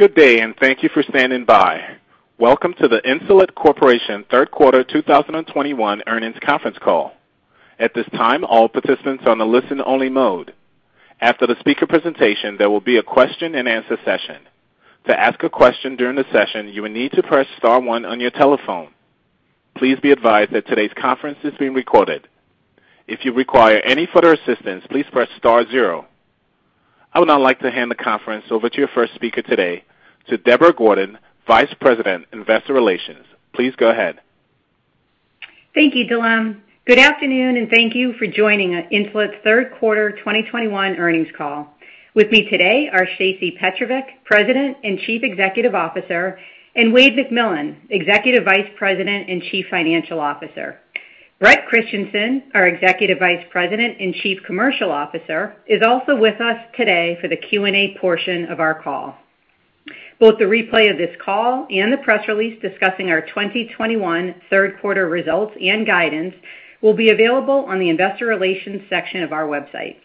Good day, and thank you for standing by. Welcome to the Insulet Corporation Q3 2021 Earnings Conference Call. At this time, all participants are on a listen only mode. After the speaker presentation, there will be a Q&A session. To ask a question during the session, you will need to press star one on your telephone. Please be advised that today's conference is being recorded. If you require any further assistance, please press star zero. I would now like to hand the conference over to your first speaker today, to Deborah Gordon, Vice President, Investor Relations. Please go ahead. Thank you, Dalam. Good afternoon, and thank you for joining Insulet's Q3 2021 earnings call. With me today are Shacey Petrovic, President and Chief Executive Officer, and Wayde McMillan, Executive Vice President and Chief Financial Officer. Bret Christensen, our Executive Vice President and Chief Commercial Officer, is also with us today for the Q&A portion of our call. Both the replay of this call and the press release discussing our 2021 Q3 results and guidance will be available on the investor relations section of our website.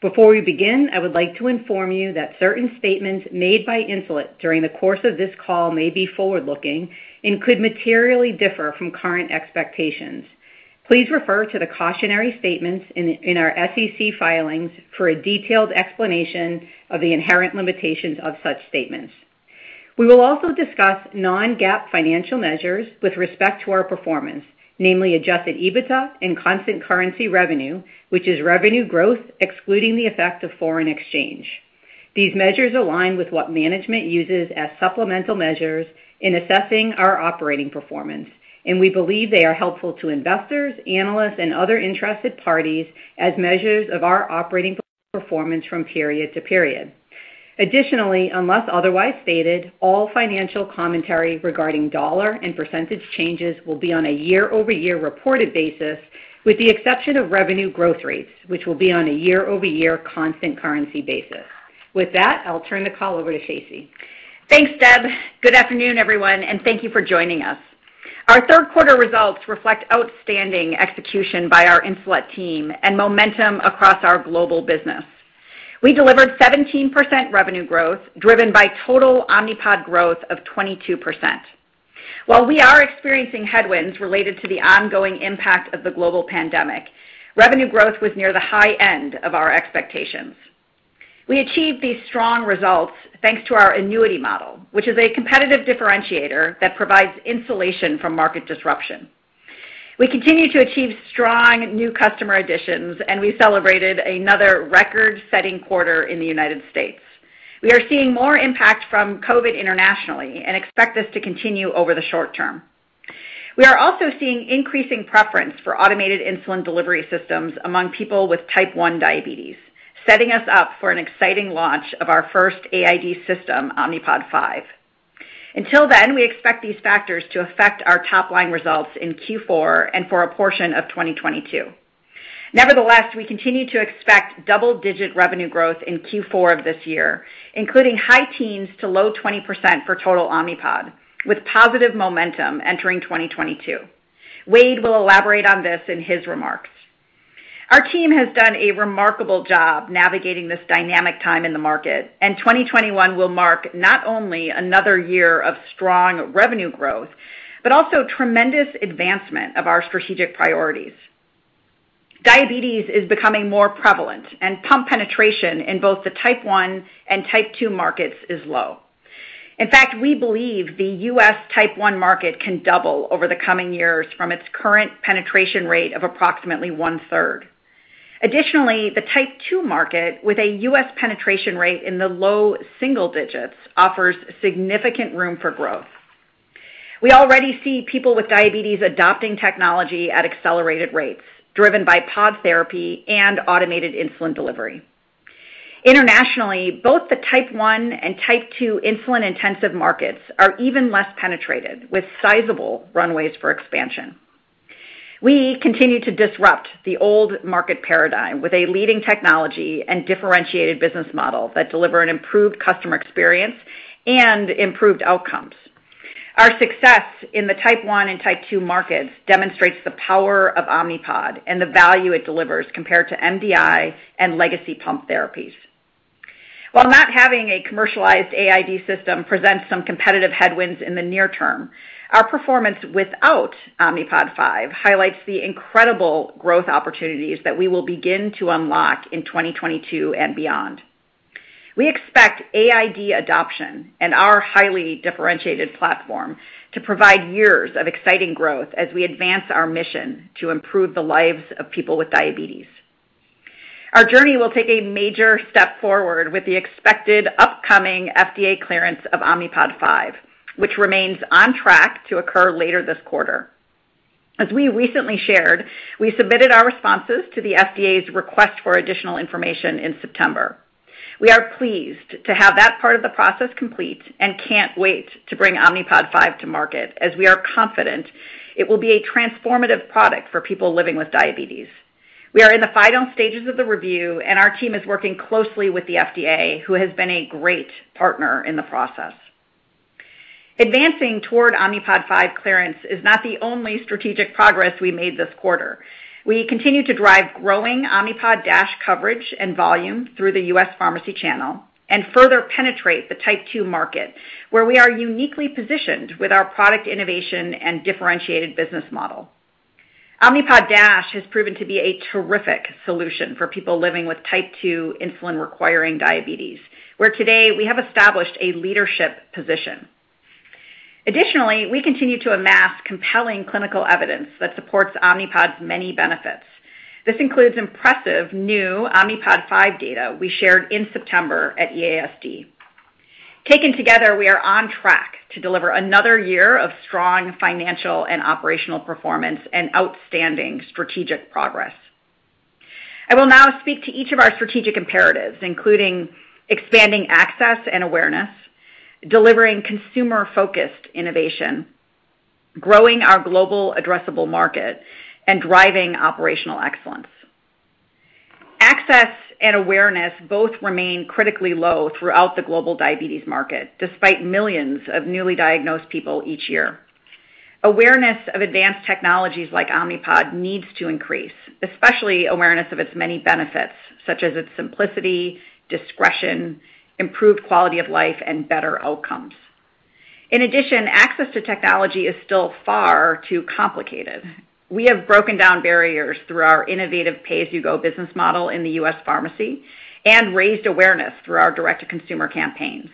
Before we begin, I would like to inform you that certain statements made by Insulet during the course of this call may be forward-looking and could materially differ from current expectations. Please refer to the cautionary statements in our SEC filings for a detailed explanation of the inherent limitations of such statements. We will also discuss non-GAAP financial measures with respect to our performance, namely adjusted EBITDA and constant currency revenue, which is revenue growth excluding the effect of foreign exchange. These measures align with what management uses as supplemental measures in assessing our operating performance, and we believe they are helpful to investors, analysts, and other interested parties as measures of our operating performance from period to period. Additionally, unless otherwise stated, all financial commentary regarding dollar and percentage changes will be on a year-over-year reported basis, with the exception of revenue growth rates, which will be on a year-over-year constant currency basis. With that, I'll turn the call over to Shacey. Thanks, Deb. Good afternoon, everyone, and thank you for joining us. Our Q3 results reflect outstanding execution by our Insulet team and momentum across our global business. We delivered 17% revenue growth, driven by total Omnipod growth of 22%. While we are experiencing headwinds related to the ongoing impact of the global pandemic, revenue growth was near the high end of our expectations. We achieved these strong results thanks to our annuity model, which is a competitive differentiator that provides insulation from market disruption. We continue to achieve strong new customer additions, and we celebrated another record-setting quarter in the United States. We are seeing more impact from COVID internationally and expect this to continue over the short term. We are also seeing increasing preference for automated insulin delivery systems among people with type 1 diabetes, setting us up for an exciting launch of our first AID system, Omnipod 5. Until then, we expect these factors to affect our top-line results in Q4 and for a portion of 2022. Nevertheless, we continue to expect double-digit revenue growth in Q4 of this year, including high teens to low 20% for total Omnipod, with positive momentum entering 2022. Wayde will elaborate on this in his remarks. Our team has done a remarkable job navigating this dynamic time in the market, and 2021 will mark not only another year of strong revenue growth, but also tremendous advancement of our strategic priorities. Diabetes is becoming more prevalent, and pump penetration in both the type 1 and type 2 markets is low. In fact, we believe the U.S. type 1 market can double over the coming years from its current penetration rate of approximately 1/3. Additionally, the type 2 market, with a U.S. penetration rate in the low single digits, offers significant room for growth. We already see people with diabetes adopting technology at accelerated rates, driven by pod therapy and automated insulin delivery. Internationally, both the type 1 and type 2 insulin-intensive markets are even less penetrated, with sizable runways for expansion. We continue to disrupt the old market paradigm with a leading technology and differentiated business model that deliver an improved customer experience and improved outcomes. Our success in the type 1 and type 2 markets demonstrates the power of Omnipod and the value it delivers compared to MDI and legacy pump therapies. While not having a commercialized AID system presents some competitive headwinds in the near term, our performance without Omnipod 5 highlights the incredible growth opportunities that we will begin to unlock in 2022 and beyond. We expect AID adoption and our highly differentiated platform to provide years of exciting growth as we advance our mission to improve the lives of people with diabetes. Our journey will take a major step forward with the expected upcoming FDA clearance of Omnipod 5, which remains on track to occur later this quarter. As we recently shared, we submitted our responses to the FDA's request for additional information in September. We are pleased to have that part of the process complete and can't wait to bring Omnipod 5 to market, as we are confident it will be a transformative product for people living with diabetes. We are in the final stages of the review, and our team is working closely with the FDA, who has been a great partner in the process. Advancing toward Omnipod 5 clearance is not the only strategic progress we made this quarter. We continue to drive growing Omnipod DASH coverage and volume through the U.S. pharmacy channel and further penetrate the type two market, where we are uniquely positioned with our product innovation and differentiated business model. Omnipod DASH has proven to be a terrific solution for people living with type 2 insulin-requiring diabetes, where today we have established a leadership position. Additionally, we continue to amass compelling clinical evidence that supports Omnipod's many benefits. This includes impressive new Omnipod 5 data we shared in September at EASD. Taken together, we are on track to deliver another year of strong financial and operational performance and outstanding strategic progress. I will now speak to each of our strategic imperatives, including expanding access and awareness, delivering consumer-focused innovation, growing our global addressable market, and driving operational excellence. Access and awareness both remain critically low throughout the global diabetes market, despite millions of newly diagnosed people each year. Awareness of advanced technologies like Omnipod needs to increase, especially awareness of its many benefits, such as its simplicity, discretion, improved quality of life, and better outcomes. In addition, access to technology is still far too complicated. We have broken down barriers through our innovative pay-as-you-go business model in the U.S. pharmacy and raised awareness through our direct-to-consumer campaigns.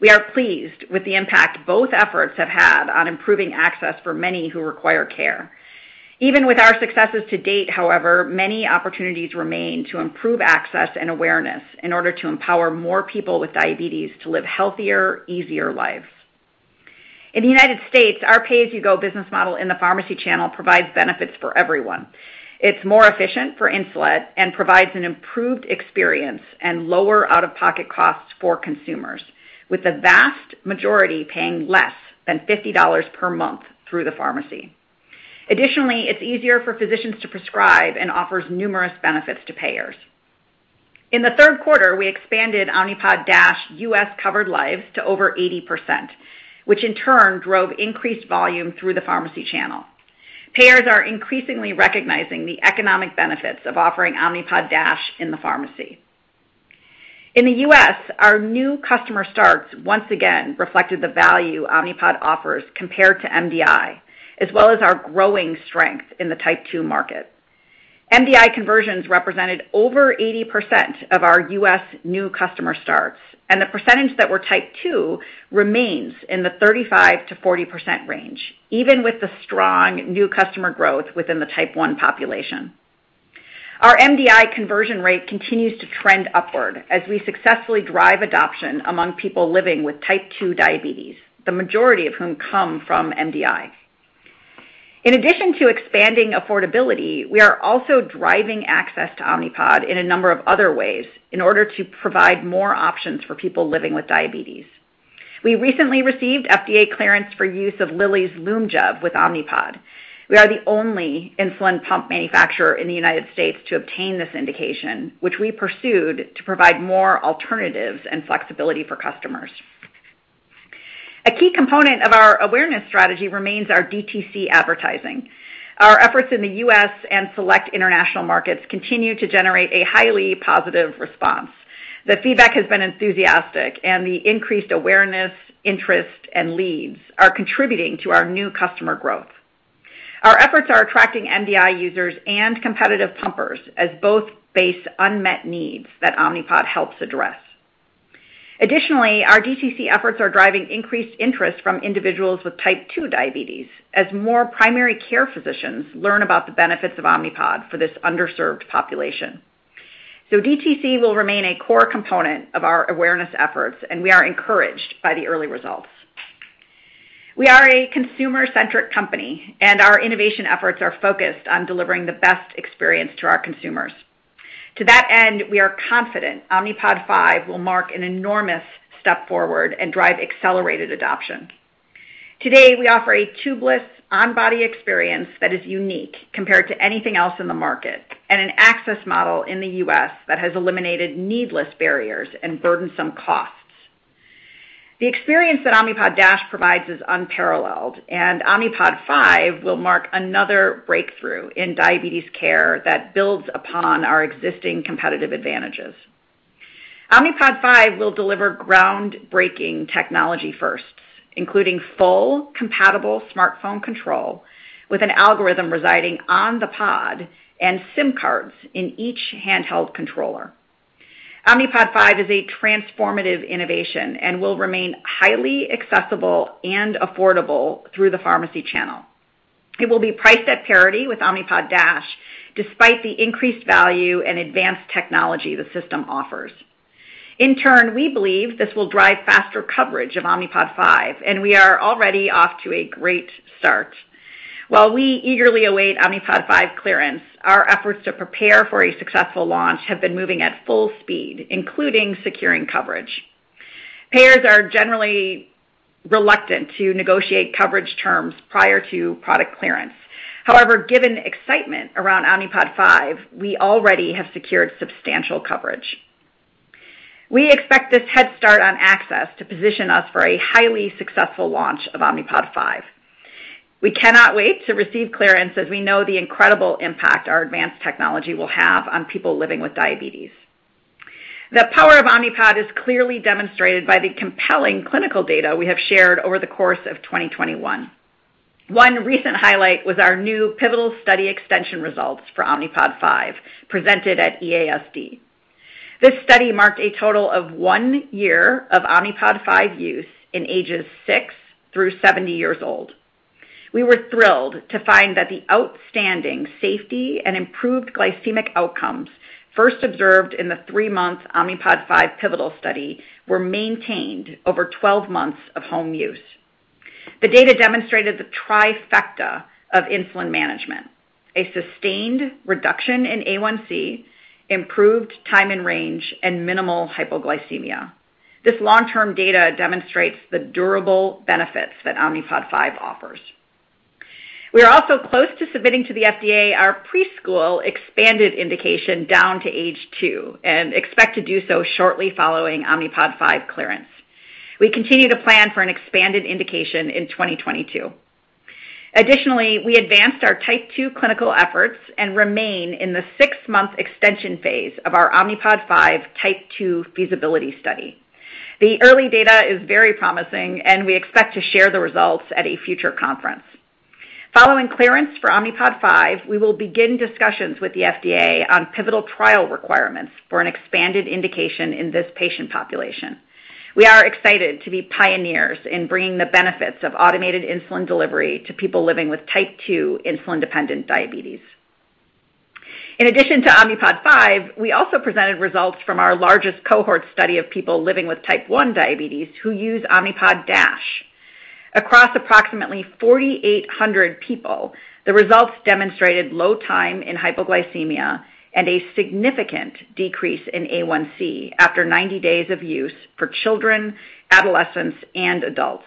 We are pleased with the impact both efforts have had on improving access for many who require care. Even with our successes to date, however, many opportunities remain to improve access and awareness in order to empower more people with diabetes to live healthier, easier lives. In the United States, our pay-as-you-go business model in the pharmacy channel provides benefits for everyone. It's more efficient for Insulet and provides an improved experience and lower out-of-pocket costs for consumers, with the vast majority paying less than $50 per month through the pharmacy. Additionally, it's easier for physicians to prescribe and offers numerous benefits to payers. In the Q3, we expanded Omnipod DASH U.S. covered lives to over 80%, which in turn drove increased volume through the pharmacy channel. Payers are increasingly recognizing the economic benefits of offering Omnipod DASH in the pharmacy. In the U.S., our new customer starts once again reflected the value Omnipod offers compared to MDI, as well as our growing strength in the type 2 market. MDI conversions represented over 80% of our U.S. new customer starts, and the percentage that were type 2 remains in the 35% to 40% range, even with the strong new customer growth within the type 1 population. Our MDI conversion rate continues to trend upward as we successfully drive adoption among people living with type 2 diabetes, the majority of whom come from MDI. In addition to expanding affordability, we are also driving access to Omnipod in a number of other ways in order to provide more options for people living with diabetes. We recently received FDA clearance for use of Lilly's Lyumjev with Omnipod. We are the only insulin pump manufacturer in the United States to obtain this indication, which we pursued to provide more alternatives and flexibility for customers. A key component of our awareness strategy remains our DTC advertising. Our efforts in the U.S. and select international markets continue to generate a highly positive response. The feedback has been enthusiastic and the increased awareness, interest, and leads are contributing to our new customer growth. Our efforts are attracting MDI users and competitive pumpers as both face unmet needs that Omnipod helps address. Additionally, our DTC efforts are driving increased interest from individuals with type 2 diabetes as more primary care physicians learn about the benefits of Omnipod for this underserved population. DTC will remain a core component of our awareness efforts, and we are encouraged by the early results. We are a consumer-centric company, and our innovation efforts are focused on delivering the best experience to our consumers. To that end, we are confident Omnipod 5 will mark an enormous step forward and drive accelerated adoption. Today, we offer a tubeless, on-body experience that is unique compared to anything else in the market and an access model in the U.S. that has eliminated needless barriers and burdensome costs. The experience that Omnipod DASH provides is unparalleled, and Omnipod 5 will mark another breakthrough in diabetes care that builds upon our existing competitive advantages. Omnipod 5 will deliver groundbreaking technology first, including fully compatible smartphone control with an algorithm residing on the pod and SIM cards in each handheld controller. Omnipod 5 is a transformative innovation and will remain highly accessible and affordable through the pharmacy channel. It will be priced at parity with Omnipod DASH despite the increased value and advanced technology the system offers. In turn, we believe this will drive faster coverage of Omnipod 5, and we are already off to a great start. While we eagerly await Omnipod 5 clearance, our efforts to prepare for a successful launch have been moving at full speed, including securing coverage. Payers are generally reluctant to negotiate coverage terms prior to product clearance. However, given excitement around Omnipod 5, we already have secured substantial coverage. We expect this head start on access to position us for a highly successful launch of Omnipod 5. We cannot wait to receive clearance as we know the incredible impact our advanced technology will have on people living with diabetes. The power of Omnipod is clearly demonstrated by the compelling clinical data we have shared over the course of 2021. One recent highlight was our new pivotal study extension results for Omnipod 5, presented at EASD. This study marked a total of one year of Omnipod 5 use in ages six through seventy years old. We were thrilled to find that the outstanding safety and improved glycemic outcomes first observed in the three-month Omnipod 5 pivotal study were maintained over 12 months of home use. The data demonstrated the trifecta of insulin management, a sustained reduction in A1C, improved time in range, and minimal hypoglycemia. This long-term data demonstrates the durable benefits that Omnipod 5 offers. We are also close to submitting to the FDA our preschool expanded indication down to age two and expect to do so shortly following Omnipod 5 clearance. We continue to plan for an expanded indication in 2022. Additionally, we advanced our type 2 clinical efforts and remain in the six-month extension phase of our Omnipod 5 type 2 feasibility study. The early data is very promising, and we expect to share the results at a future conference. Following clearance for Omnipod 5, we will begin discussions with the FDA on pivotal trial requirements for an expanded indication in this patient population. We are excited to be pioneers in bringing the benefits of automated insulin delivery to people living with type 2 insulin-dependent diabetes. In addition to Omnipod 5, we also presented results from our largest cohort study of people living with type 1 diabetes who use Omnipod DASH. Across approximately 4,800 people, the results demonstrated low time in hypoglycemia and a significant decrease in A1C after 90 days of use for children, adolescents, and adults.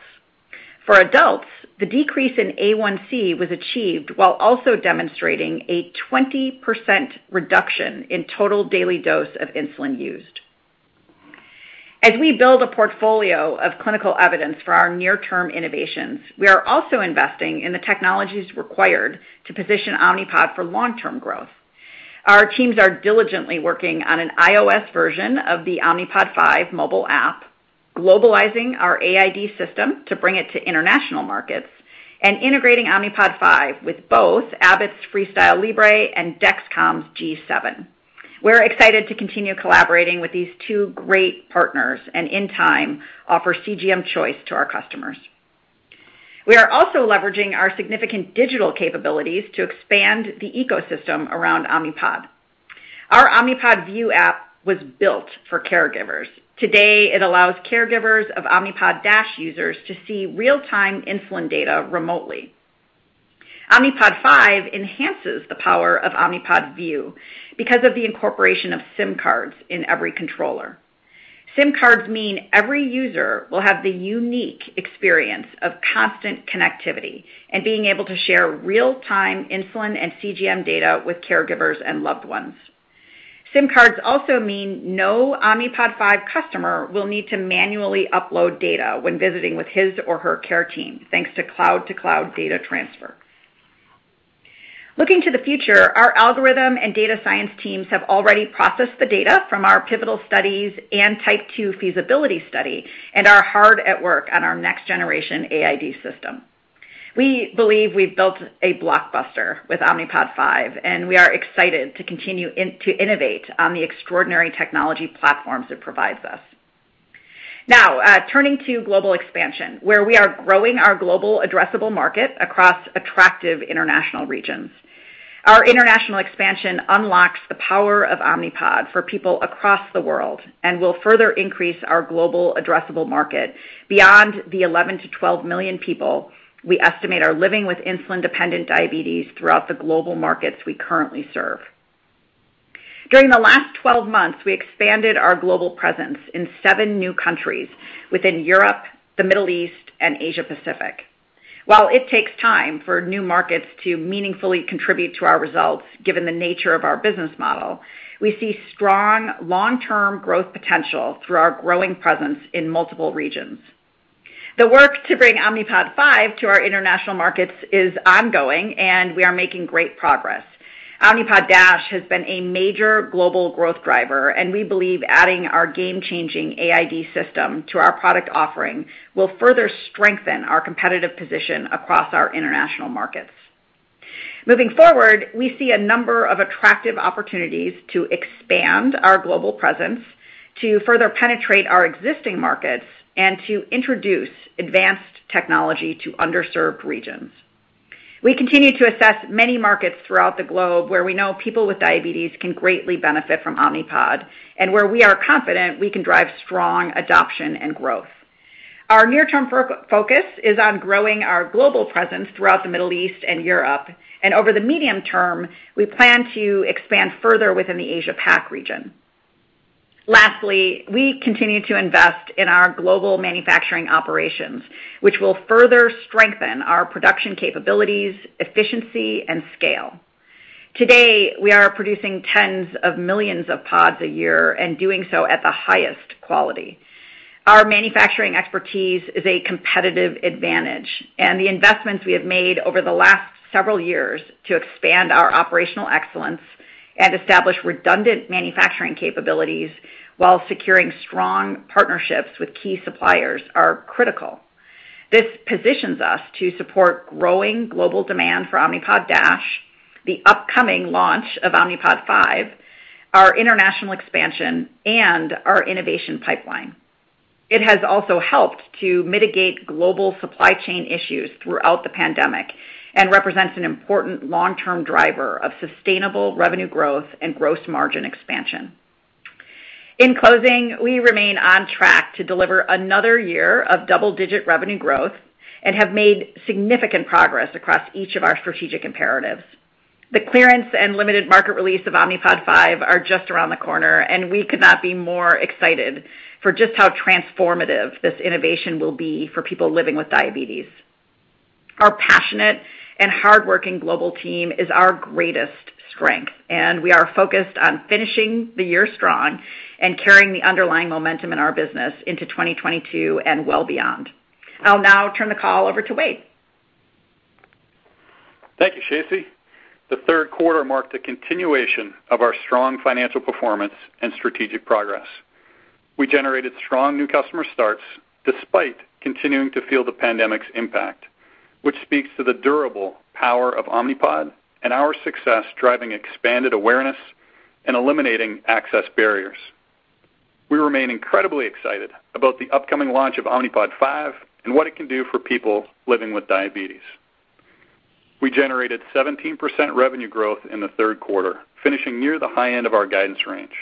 For adults, the decrease in A1C was achieved while also demonstrating a 20% reduction in total daily dose of insulin used. As we build a portfolio of clinical evidence for our near-term innovations, we are also investing in the technologies required to position Omnipod for long-term growth. Our teams are diligently working on an iOS version of the Omnipod 5 mobile app, globalizing our AID system to bring it to international markets, and integrating Omnipod 5 with both Abbott's FreeStyle Libre and Dexcom's G7. We're excited to continue collaborating with these two great partners and, in time, offer CGM choice to our customers. We are also leveraging our significant digital capabilities to expand the ecosystem around Omnipod. Our Omnipod VIEW app was built for caregivers. Today, it allows caregivers of Omnipod DASH users to see real-time insulin data remotely. Omnipod 5 enhances the power of Omnipod VIEW because of the incorporation of SIM cards in every controller. SIM cards mean every user will have the unique experience of constant connectivity and being able to share real-time insulin and CGM data with caregivers and loved ones. SIM cards also mean no Omnipod 5 customer will need to manually upload data when visiting with his or her care team, thanks to cloud-to-cloud data transfer. Looking to the future, our algorithm and data science teams have already processed the data from our pivotal studies and type 2 feasibility study and are hard at work on our next-generation AID system. We believe we've built a blockbuster with Omnipod 5, and we are excited to continue to innovate on the extraordinary technology platforms it provides us. Now, turning to global expansion, where we are growing our global addressable market across attractive international regions. Our international expansion unlocks the power of Omnipod for people across the world and will further increase our global addressable market beyond the 11 to 12 million people we estimate are living with insulin-dependent diabetes throughout the global markets we currently serve. During the last 12 months, we expanded our global presence in seven new countries within Europe, the Middle East, and Asia Pacific. While it takes time for new markets to meaningfully contribute to our results, given the nature of our business model, we see strong long-term growth potential through our growing presence in multiple regions. The work to bring Omnipod 5 to our international markets is ongoing, and we are making great progress. Omnipod DASH has been a major global growth driver, and we believe adding our game-changing AID system to our product offering will further strengthen our competitive position across our international markets. Moving forward, we see a number of attractive opportunities to expand our global presence, to further penetrate our existing markets, and to introduce advanced technology to underserved regions. We continue to assess many markets throughout the globe where we know people with diabetes can greatly benefit from Omnipod and where we are confident we can drive strong adoption and growth. Our near-term focus is on growing our global presence throughout the Middle East and Europe. Over the medium term, we plan to expand further within the Asia Pac region. Lastly, we continue to invest in our global manufacturing operations, which will further strengthen our production capabilities, efficiency, and scale. Today, we are producing tens of millions of pods a year and doing so at the highest quality. Our manufacturing expertise is a competitive advantage, and the investments we have made over the last several years to expand our operational excellence and establish redundant manufacturing capabilities while securing strong partnerships with key suppliers are critical. This positions us to support growing global demand for Omnipod DASH, the upcoming launch of Omnipod 5, our international expansion, and our innovation pipeline. It has also helped to mitigate global supply chain issues throughout the pandemic and represents an important long-term driver of sustainable revenue growth and gross margin expansion. In closing, we remain on track to deliver another year of double-digit revenue growth and have made significant progress across each of our strategic imperatives. The clearance and limited market release of Omnipod 5 are just around the corner, and we could not be more excited for just how transformative this innovation will be for people living with diabetes. Our passionate and hardworking global team is our greatest strength, and we are focused on finishing the year strong and carrying the underlying momentum in our business into 2022 and well beyond. I'll now turn the call over to Wayde. Thank you, Shacey. The Q3 marked a continuation of our strong financial performance and strategic progress. We generated strong new customer starts despite continuing to feel the pandemic's impact, which speaks to the durable power of Omnipod and our success driving expanded awareness and eliminating access barriers. We remain incredibly excited about the upcoming launch of Omnipod 5 and what it can do for people living with diabetes. We generated 17% revenue growth in the Q3, finishing near the high end of our guidance range,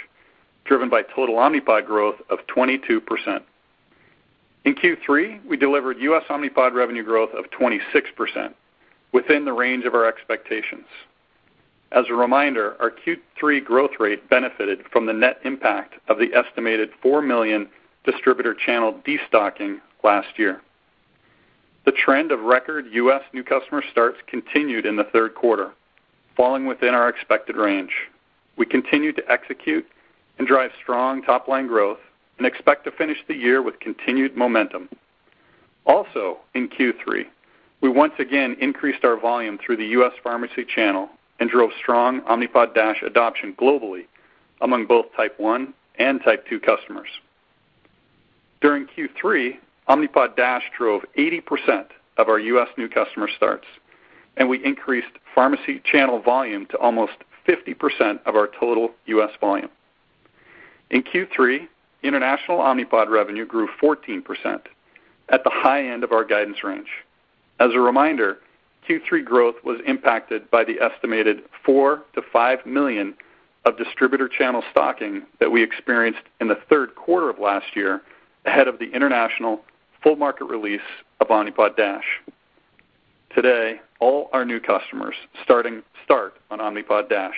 driven by total Omnipod growth of 22%. In Q3, we delivered U.S. Omnipod revenue growth of 26% within the range of our expectations. As a reminder, our Q3 growth rate benefited from the net impact of the estimated $4 million distributor channel destocking last year. The trend of record U.S. new customer starts continued in the Q3, falling within our expected range. We continue to execute and drive strong top-line growth and expect to finish the year with continued momentum. Also in Q3, we once again increased our volume through the U.S. pharmacy channel and drove strong Omnipod DASH adoption globally among both Type 1 and Type 2 customers. During Q3, Omnipod DASH drove 80% of our U.S. new customer starts, and we increased pharmacy channel volume to almost 50% of our total U.S. volume. In Q3, international Omnipod revenue grew 14% at the high end of our guidance range. As a reminder, Q3 growth was impacted by the estimated $4 million to $5 million of distributor channel stocking that we experienced in the Q3 of last year ahead of the international full market release of Omnipod DASH. Today, all our new customers start on Omnipod DASH,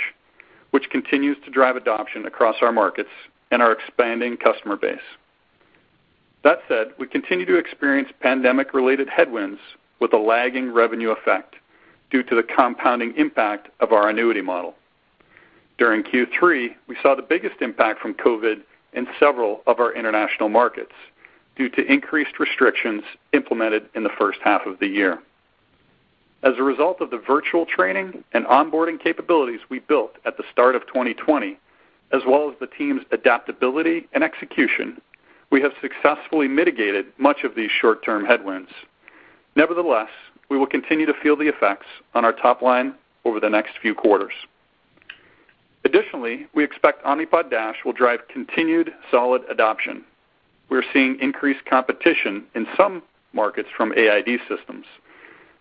which continues to drive adoption across our markets and our expanding customer base. That said, we continue to experience pandemic-related headwinds with a lagging revenue effect due to the compounding impact of our annuity model. During Q3, we saw the biggest impact from COVID in several of our international markets due to increased restrictions implemented in the H1 of the year. As a result of the virtual training and onboarding capabilities we built at the start of 2020, as well as the team's adaptability and execution, we have successfully mitigated much of these short-term headwinds. Nevertheless, we will continue to feel the effects on our top line over the next few quarters. Additionally, we expect Omnipod DASH will drive continued solid adoption. We're seeing increased competition in some markets from AID systems.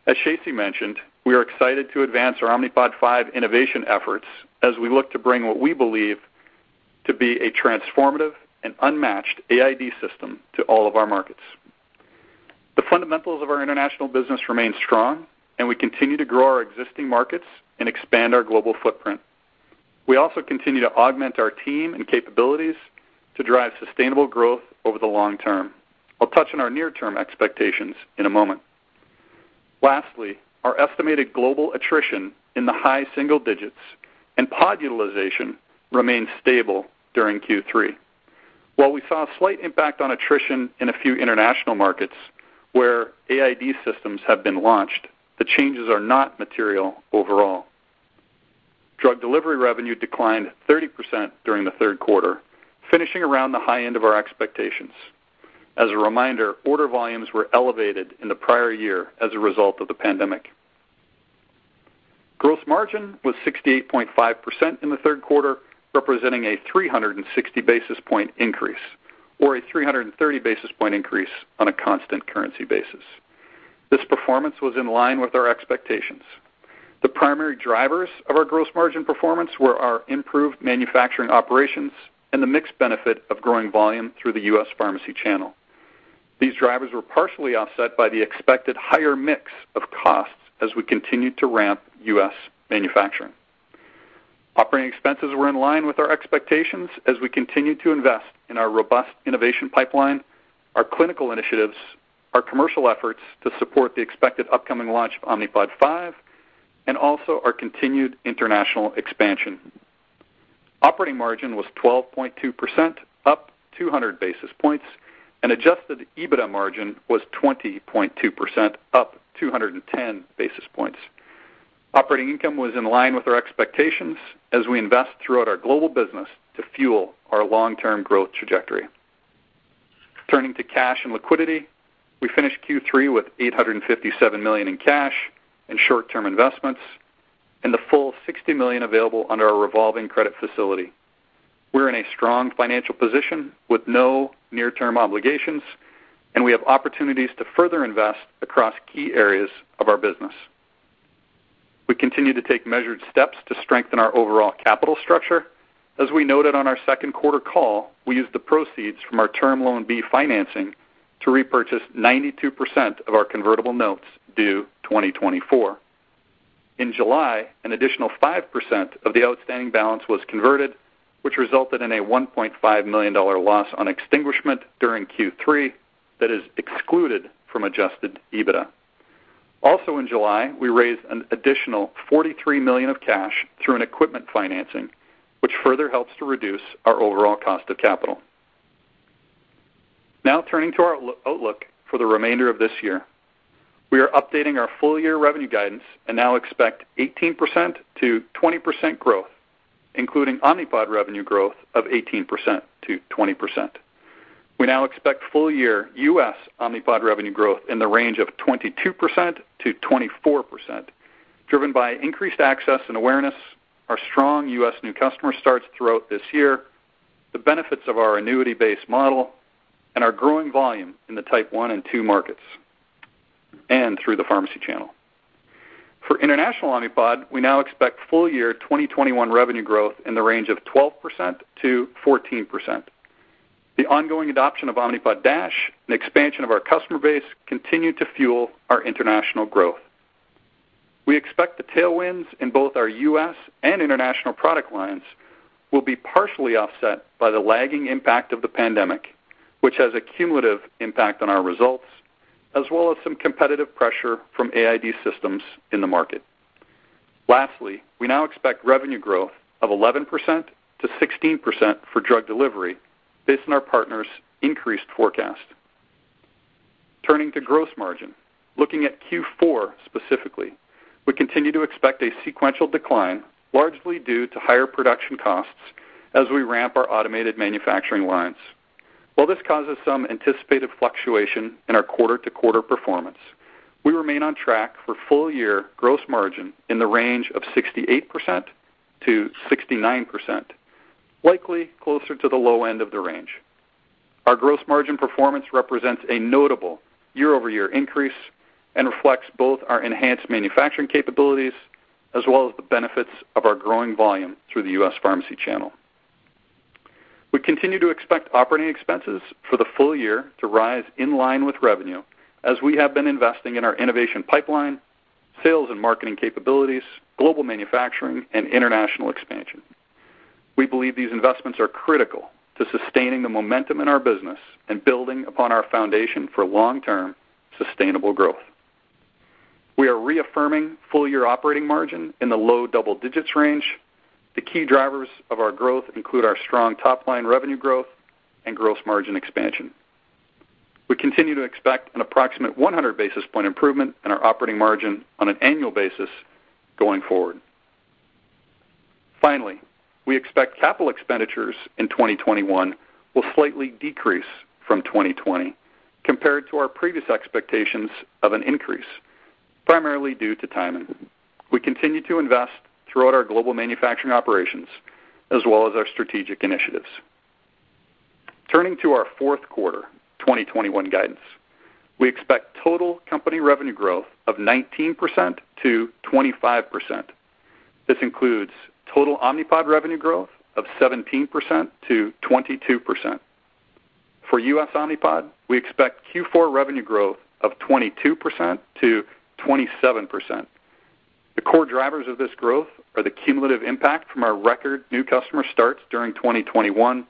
As Shacey mentioned, we are excited to advance our Omnipod 5 innovation efforts as we look to bring what we believe to be a transformative and unmatched AID system to all of our markets. The fundamentals of our international business remain strong, and we continue to grow our existing markets and expand our global footprint. We also continue to augment our team and capabilities to drive sustainable growth over the long term. I'll touch on our near-term expectations in a moment. Lastly, our estimated global attrition in the high single digits and pod utilization remained stable during Q3. While we saw a slight impact on attrition in a few international markets where AID systems have been launched, the changes are not material overall. Drug delivery revenue declined 30% during the Q3, finishing around the high end of our expectations. As a reminder, order volumes were elevated in the prior year as a result of the pandemic. Gross margin was 68.5% in the Q3, representing a 360 basis point increase or a 330 basis point increase on a constant currency basis. This performance was in line with our expectations. The primary drivers of our gross margin performance were our improved manufacturing operations and the mixed benefit of growing volume through the U.S. pharmacy channel. These drivers were partially offset by the expected higher mix of costs as we continued to ramp U.S. manufacturing. Operating expenses were in line with our expectations as we continue to invest in our robust innovation pipeline, our clinical initiatives, our commercial efforts to support the expected upcoming launch of Omnipod 5, and also our continued international expansion. Operating margin was 12.2%, up 200 basis points, and adjusted EBITDA margin was 20.2%, up 210 basis points. Operating income was in line with our expectations as we invest throughout our global business to fuel our long-term growth trajectory. Turning to cash and liquidity, we finished Q3 with $857 million in cash and short-term investments and the full $60 million available under our revolving credit facility. We're in a strong financial position with no near-term obligations, and we have opportunities to further invest across key areas of our business. We continue to take measured steps to strengthen our overall capital structure. As we noted on our Q2, we used the proceeds from our Term Loan B financing to repurchase 92% of our convertible notes due 2024. In July, an additional 5% of the outstanding balance was converted, which resulted in a $1.5 million loss on extinguishment during Q3 that is excluded from adjusted EBITDA. Also in July, we raised an additional $43 million of cash through an equipment financing, which further helps to reduce our overall cost of capital. Now turning to our outlook for the remainder of this year. We are updating our full-year revenue guidance and now expect 18% to 20% growth, including Omnipod revenue growth of 18% to 20%. We now expect full-year U.S. Omnipod revenue growth in the range of 22% to 24%, driven by increased access and awareness, our strong U.S. new customer starts throughout this year, the benefits of our annuity-based model, and our growing volume in the Type 1 and Type 2 markets, and through the pharmacy channel. For international Omnipod, we now expect full year 2021 revenue growth in the range of 12% to 14%. The ongoing adoption of Omnipod DASH and expansion of our customer base continue to fuel our international growth. We expect the tailwinds in both our U.S. and international product lines will be partially offset by the lagging impact of the pandemic, which has a cumulative impact on our results, as well as some competitive pressure from AID systems in the market. Lastly, we now expect revenue growth of 11% to 6% for drug delivery based on our partners' increased forecast. Turning to gross margin. Looking at Q4 specifically, we continue to expect a sequential decline, largely due to higher production costs as we ramp our automated manufacturing lines. While this causes some anticipated fluctuation in our quarter-to-quarter performance, we remain on track for full year gross margin in the range of 68% to 69%, likely closer to the low end of the range. Our gross margin performance represents a notable year-over-year increase and reflects both our enhanced manufacturing capabilities as well as the benefits of our growing volume through the U.S. pharmacy channel. We continue to expect operating expenses for the full year to rise in line with revenue as we have been investing in our innovation pipeline, sales and marketing capabilities, global manufacturing, and international expansion. We believe these investments are critical to sustaining the momentum in our business and building upon our foundation for long-term sustainable growth. We are reaffirming full year operating margin in the low double digits range. The key drivers of our growth include our strong top-line revenue growth and gross margin expansion. We continue to expect an approximate 100 basis points improvement in our operating margin on an annual basis going forward. Finally, we expect capital expenditures in 2021 will slightly decrease from 2020 compared to our previous expectations of an increase, primarily due to timing. We continue to invest throughout our global manufacturing operations as well as our strategic initiatives. Turning to our Q4, 2021 guidance. We expect total company revenue growth of 19% to 25%. This includes total Omnipod revenue growth of 17% to 22%. For U.S. Omnipod, we expect Q4 revenue growth of 22% to 27%. The core drivers of this growth are the cumulative impact from our record new customer starts during 2021,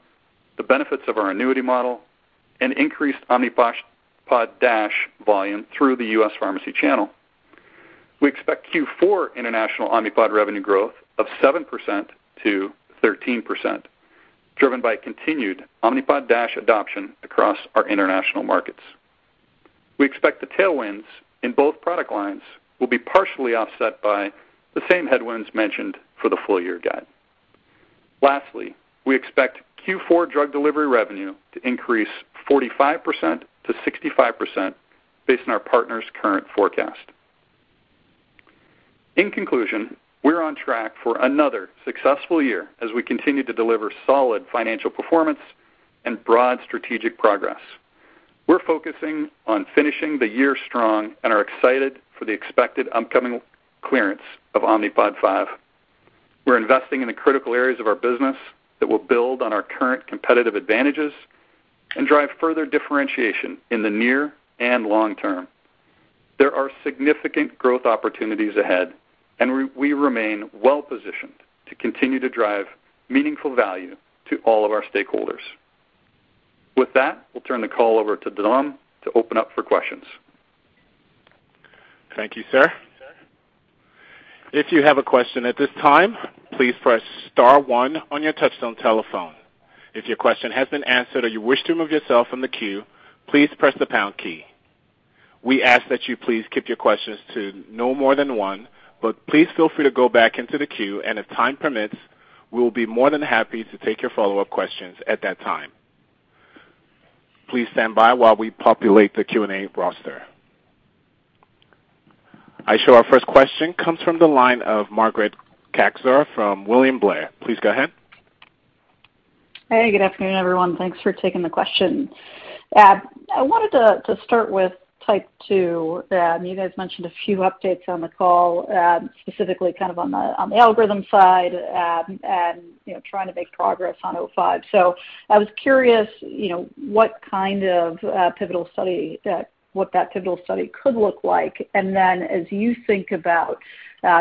the benefits of our annuity model, and increased Omnipod DASH volume through the U.S. pharmacy channel. We expect Q4 international Omnipod revenue growth of 7% to 13%, driven by continued Omnipod DASH adoption across our international markets. We expect the tailwinds in both product lines will be partially offset by the same headwinds mentioned for the full year guide. Lastly, we expect Q4 drug delivery revenue to increase 45% to 65% based on our partners' current forecast. In conclusion, we're on track for another successful year as we continue to deliver solid financial performance and broad strategic progress. We're focusing on finishing the year strong and are excited for the expected upcoming clearance of Omnipod 5. We're investing in the critical areas of our business that will build on our current competitive advantages and drive further differentiation in the near and long term. There are significant growth opportunities ahead, and we remain well positioned to continue to drive meaningful value to all of our stakeholders. With that, we'll turn the call over to Dalam to open up for questions. Thank you, sir. If you have a question at this time, please press star one on your touchtone telephone. If your question has been answered or you wish to remove yourself from the queue, please press the pound key. We ask that you please keep your questions to no more than one, but please feel free to go back into the queue, and if time permits, we will be more than happy to take your follow-up questions at that time. Please stand by while we populate the Q&A roster. I show our first question comes from the line of Margaret Kaczor from William Blair. Please go ahead. Hey, good afternoon, everyone. Thanks for taking the question. I wanted to start with type two. You guys mentioned a few updates on the call, specifically kind of on the algorithm side, and you know, trying to make progress on o5. I was curious, you know, what kind of pivotal study could look like. As you think about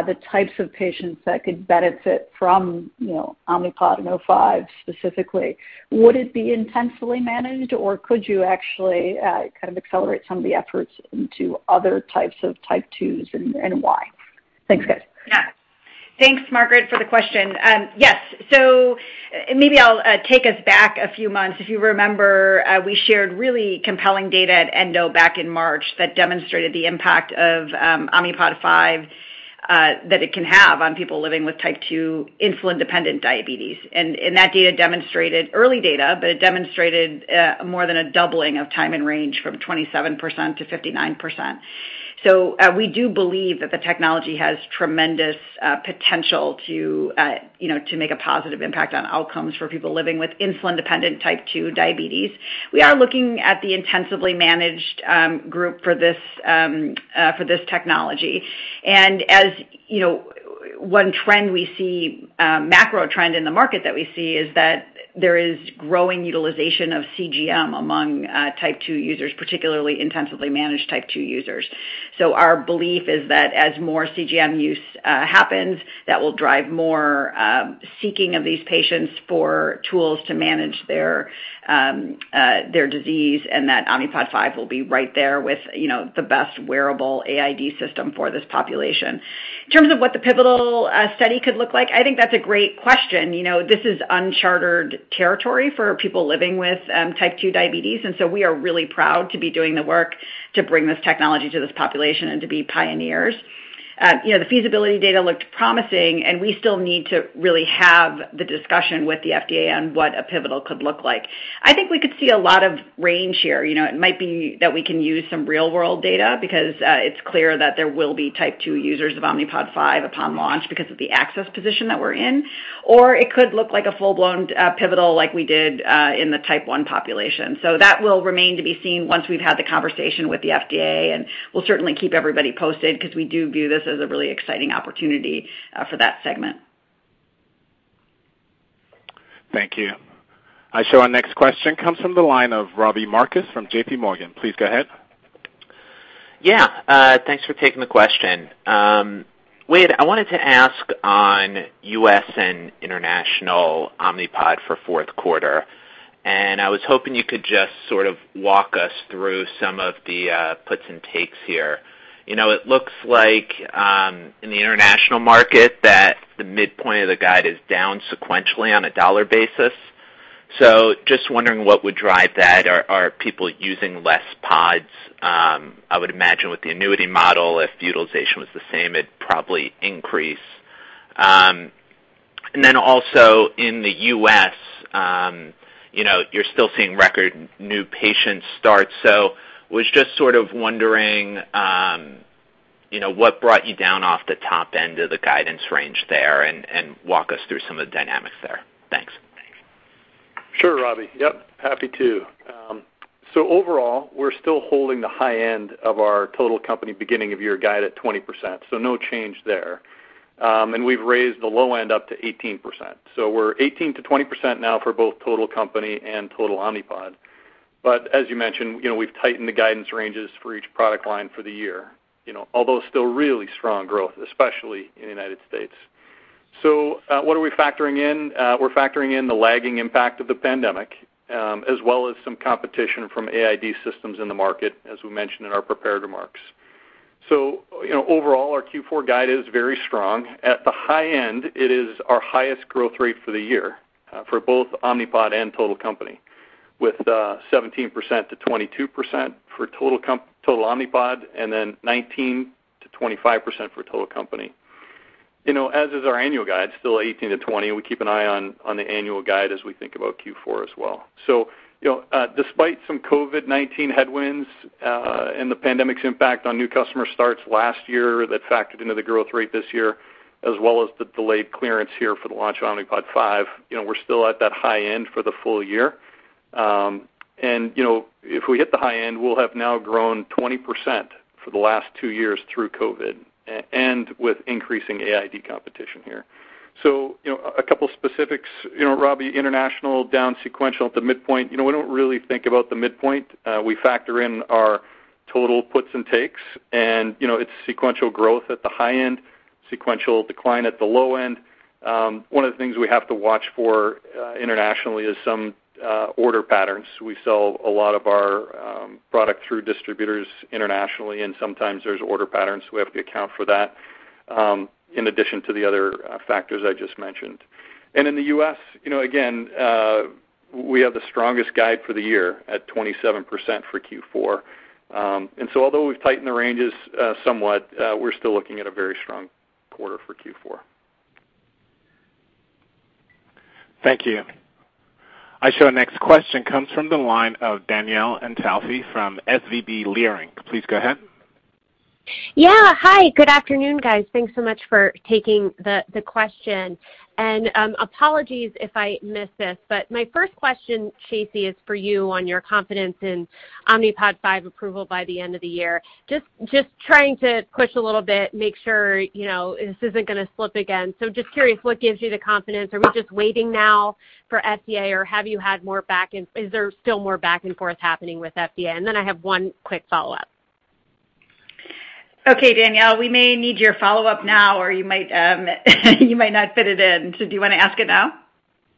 the types of patients that could benefit from, you know, Omnipod and o5 specifically, would it be intensely managed, or could you actually kind of accelerate some of the efforts into other types of type twos and why? Thanks, guys. Yeah. Thanks, Margaret, for the question. Yes. Maybe I'll take us back a few months. If you remember, we shared really compelling data at ENDO back in March that demonstrated the impact of Omnipod 5 that it can have on people living with type 2 insulin-dependent diabetes. That data demonstrated early data, but it demonstrated more than a doubling of time and range from 27% to 59%. We do believe that the technology has tremendous potential to you know, to make a positive impact on outcomes for people living with insulin-dependent type 2 diabetes. We are looking at the intensively managed group for this technology. As you know, one trend we see, macro trend in the market that we see is that there is growing utilization of CGM among type 2 users, particularly intensively managed type 2 users. Our belief is that as more CGM use happens, that will drive more seeking of these patients for tools to manage their disease, and that Omnipod 5 will be right there with, you know, the best wearable AID system for this population. In terms of what the pivotal study could look like, I think that's a great question. You know, this is uncharted territory for people living with type 2 diabetes, and so we are really proud to be doing the work to bring this technology to this population and to be pioneers. You know, the feasibility data looked promising, and we still need to really have the discussion with the FDA on what a pivotal could look like. I think we could see a lot of range here. You know, it might be that we can use some real-world data because it's clear that there will be type 2 users of Omnipod 5 upon launch because of the access position that we're in. Or it could look like a full-blown pivotal like we did in the type one population. That will remain to be seen once we've had the conversation with the FDA, and we'll certainly keep everybody posted because we do view this as a really exciting opportunity for that segment. Thank you. Our next question comes from the line of Robbie Marcus from JPMorgan. Please go ahead. Yeah. Thanks for taking the question. Wayde, I wanted to ask on U.S. and international Omnipod for fourth quarter, and I was hoping you could just sort of walk us through some of the puts and takes here. You know, it looks like in the international market that the midpoint of the guide is down sequentially on a dollar basis. So just wondering what would drive that. Are people using less pods? I would imagine with the annuity model, if utilization was the same, it'd probably increase. And then also in the U.S., you know, you're still seeing record new patients start. So was just sort of wondering, you know, what brought you down off the top end of the guidance range there, and walk us through some of the dynamics there. Thanks. Sure, Robbie. Yep, happy to. Overall, we're still holding the high end of our total company beginning of year guide at 20%, so no change there. We've raised the low end up to 18%. We're 18% to 20% now for both total company and total Omnipod. As you mentioned, you know, we've tightened the guidance ranges for each product line for the year, you know, although still really strong growth, especially in the United States. What are we factoring in? We're factoring in the lagging impact of the pandemic, as well as some competition from AID systems in the market, as we mentioned in our prepared remarks. You know, overall, our Q4 guide is very strong. At the high end, it is our highest growth rate for the year, for both Omnipod and total company, with 17% to 22% for total Omnipod, and then 19% to 25% for total company. You know, as is our annual guide, still 18% to 20%. We keep an eye on the annual guide as we think about Q4 as well. You know, despite some COVID-19 headwinds, and the pandemic's impact on new customer starts last year that factored into the growth rate this year, as well as the delayed clearance here for the launch of Omnipod 5, you know, we're still at that high end for the full year. You know, if we hit the high end, we'll have now grown 20% for the last two years through COVID and with increasing AID competition here. You know, a couple specifics. You know, Robbie, international down sequential at the midpoint. You know, we don't really think about the midpoint. We factor in our total puts and takes, and, you know, it's sequential growth at the high end, sequential decline at the low end. One of the things we have to watch for, internationally, is some order patterns. We sell a lot of our product through distributors internationally, and sometimes there's order patterns. We have to account for that, in addition to the other factors I just mentioned. In the US, you know, again, we have the strongest guide for the year at 27% for Q4. Although we've tightened the ranges somewhat, we're still looking at a very strong quarter for Q4. Thank you. I show our next question comes from the line of Danielle Antalffy from SVB Leerink. Please go ahead. Yeah. Hi, good afternoon, guys. Thanks so much for taking the question. Apologies if I missed this, but my first question, Shacey, is for you on your confidence in Omnipod 5 approval by the end of the year. Just trying to push a little bit, make sure, you know, this isn't gonna slip again. Just curious, what gives you the confidence? Are we just waiting now for FDA, or have you had more back and forth? Is there still more back and forth happening with FDA? Then I have one quick follow-up. Okay, Danielle, we may need your follow-up now, or you might not fit it in. Do you wanna ask it now?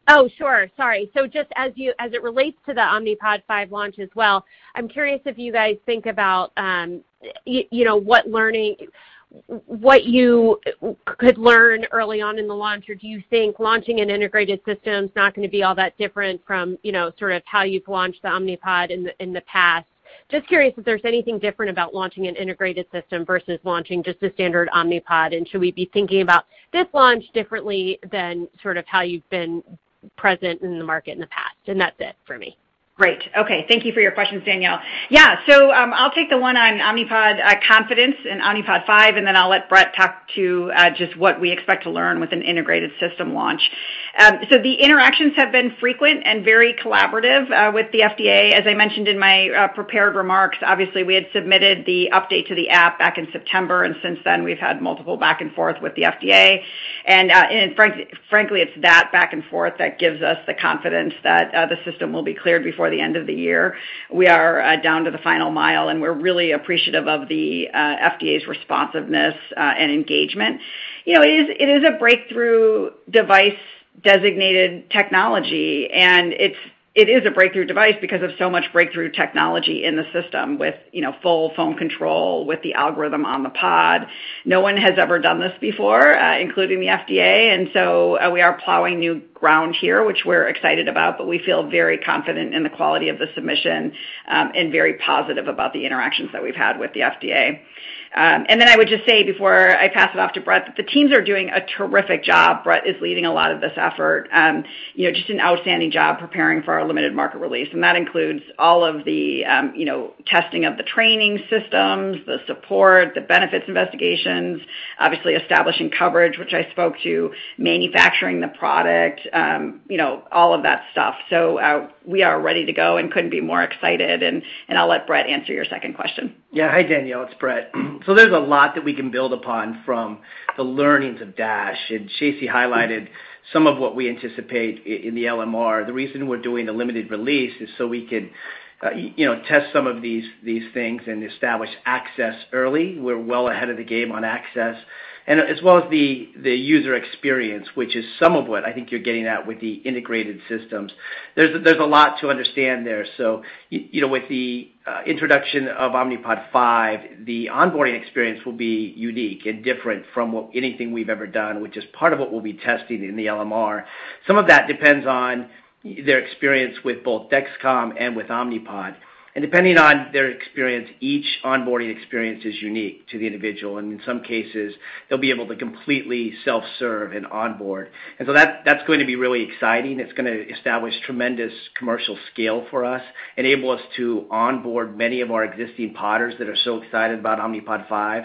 Oh, sure. Sorry. Just as it relates to the Omnipod 5 launch as well, I'm curious if you guys think about, you know, what you could learn early on in the launch? Or do you think launching an integrated system is not gonna be all that different from, you know, sort of how you've launched the Omnipod in the past? Just curious if there's anything different about launching an integrated system versus launching just a standard Omnipod. Should we be thinking about this launch differently than sort of how you've been present in the market in the past? That's it for me. Great. Okay. Thank you for your questions, Danielle. Yeah. I'll take the one on Omnipod, confidence in Omnipod 5, and then I'll let Bret talk to just what we expect to learn with an integrated system launch. The interactions have been frequent and very collaborative with the FDA. As I mentioned in my prepared remarks, obviously, we had submitted the update to the app back in September, and since then, we've had multiple back and forth with the FDA. Frankly, it's that back and forth that gives us the confidence that the system will be cleared before the end of the year. We are down to the final mile, and we're really appreciative of the FDA's responsiveness and engagement. You know, it is a breakthrough device-designated technology, and it is a breakthrough device because of so much breakthrough technology in the system with, you know, full phone control with the algorithm on the pod. No one has ever done this before, including the FDA. We are plowing new ground here, which we're excited about, but we feel very confident in the quality of the submission, and very positive about the interactions that we've had with the FDA. I would just say, before I pass it off to Bret, that the teams are doing a terrific job. Bret is leading a lot of this effort. You know, just an outstanding job preparing for our limited market release. That includes all of the, you know, testing of the training systems, the support, the benefits investigations, obviously establishing coverage, which I spoke to, manufacturing the product, you know, all of that stuff. We are ready to go and couldn't be more excited. I'll let Bret answer your second question. Yeah. Hi, Danielle. It's Bret. There's a lot that we can build upon from the learnings of DASH. Chasey highlighted some of what we anticipate in the LMR. The reason we're doing a limited release is so we can, you know, test some of these things and establish access early. We're well ahead of the game on access, as well as the user experience, which is some of what I think you're getting at with the integrated systems. There's a lot to understand there. You know, with the introduction of Omnipod 5, the onboarding experience will be unique and different from anything we've ever done, which is part of what we'll be testing in the LMR. Some of that depends on their experience with both Dexcom and with Omnipod. Depending on their experience, each onboarding experience is unique to the individual, and in some cases, they'll be able to completely self-serve and onboard. That's going to be really exciting. It's gonna establish tremendous commercial scale for us, enable us to onboard many of our existing Podders that are so excited about Omnipod 5.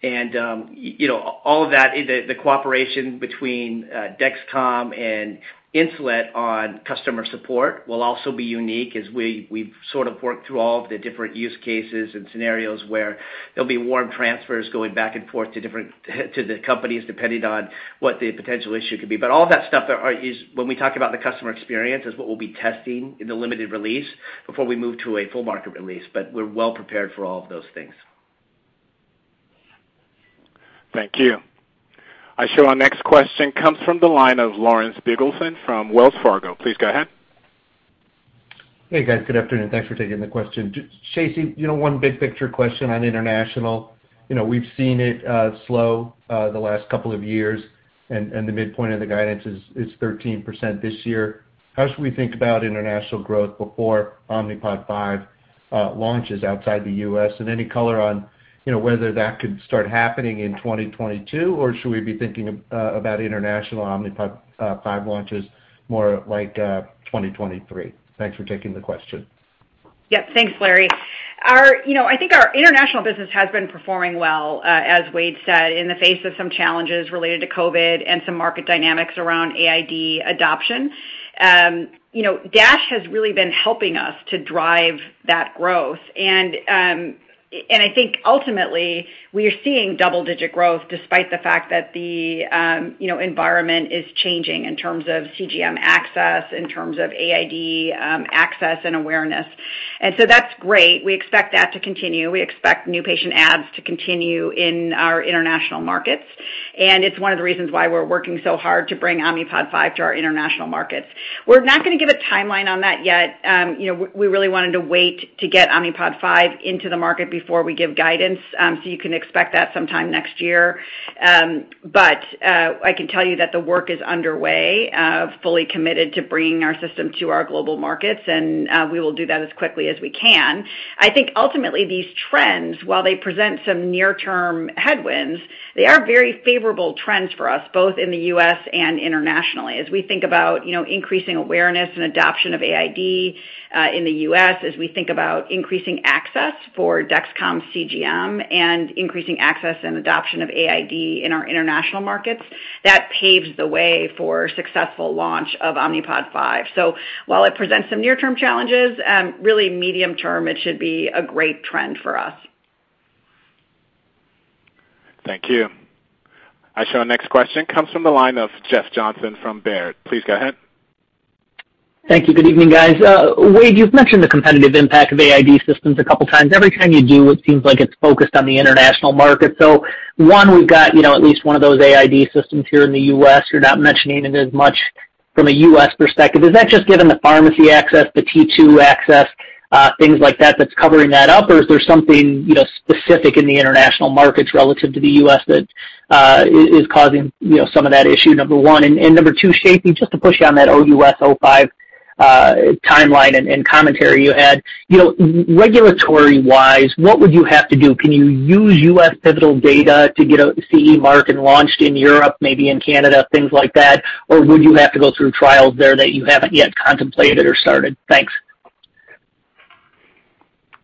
You know, all of that, the cooperation between Dexcom and Insulet on customer support will also be unique as we've sort of worked through all of the different use cases and scenarios where there'll be warm transfers going back and forth to the companies depending on what the potential issue could be. All that stuff is when we talk about the customer experience, what we'll be testing in the limited release before we move to a full market release. We're well prepared for all of those things. Thank you. Our next question comes from the line of Larry Biegelsen from Wells Fargo. Please go ahead. Hey, guys. Good afternoon. Thanks for taking the question. Shacey, you know, one big picture question on international. You know, we've seen it slow the last couple of years, and the midpoint of the guidance is 13% this year. How should we think about international growth before Omnipod 5 launches outside the U.S.? And any color on, you know, whether that could start happening in 2022, or should we be thinking about international Omnipod 5 launches more like 2023? Thanks for taking the question. Yep. Thanks, Larry. You know, I think our international business has been performing well, as Wayde said, in the face of some challenges related to COVID and some market dynamics around AID adoption. You know, DASH has really been helping us to drive that growth. I think ultimately we are seeing double-digit growth despite the fact that the, you know, environment is changing in terms of CGM access, in terms of AID, access and awareness. That's great. We expect that to continue. We expect new patient adds to continue in our international markets, and it's one of the reasons why we're working so hard to bring Omnipod 5 to our international markets. We're not gonna give a timeline on that yet. You know, we really wanted to wait to get Omnipod 5 into the market before we give guidance. You can expect that sometime next year. I can tell you that the work is underway, fully committed to bringing our system to our global markets, and we will do that as quickly as we can. I think ultimately these trends, while they present some near-term headwinds, they are very favorable trends for us, both in the U.S. and internationally. As we think about, you know, increasing awareness and adoption of AID in the U.S., as we think about increasing access for Dexcom CGM, and increasing access and adoption of AID in our international markets, that paves the way for successful launch of Omnipod 5. While it presents some near-term challenges, really medium-term, it should be a great trend for us. Thank you. I show our next question comes from the line of Jeff Johnson from Baird. Please go ahead. Thank you. Good evening, guys. Wayde, you've mentioned the competitive impact of AID systems a couple times. Every time you do, it seems like it's focused on the international market. One, we've got, you know, at least one of those AID systems here in the U.S. You're not mentioning it as much from a U.S. perspective. Is that just given the pharmacy access, the T2 access, things like that that's covering that up, or is there something, you know, specific in the international markets relative to the U.S. that is causing, you know, some of that issue, number one? And number two, Shacey, just to push you on that OUS-05 timeline and commentary you had. You know, regulatory-wise, what would you have to do? Can you use U.S. pivotal data to get a CE mark and launched in Europe, maybe in Canada, things like that? Or would you have to go through trials there that you haven't yet contemplated or started? Thanks.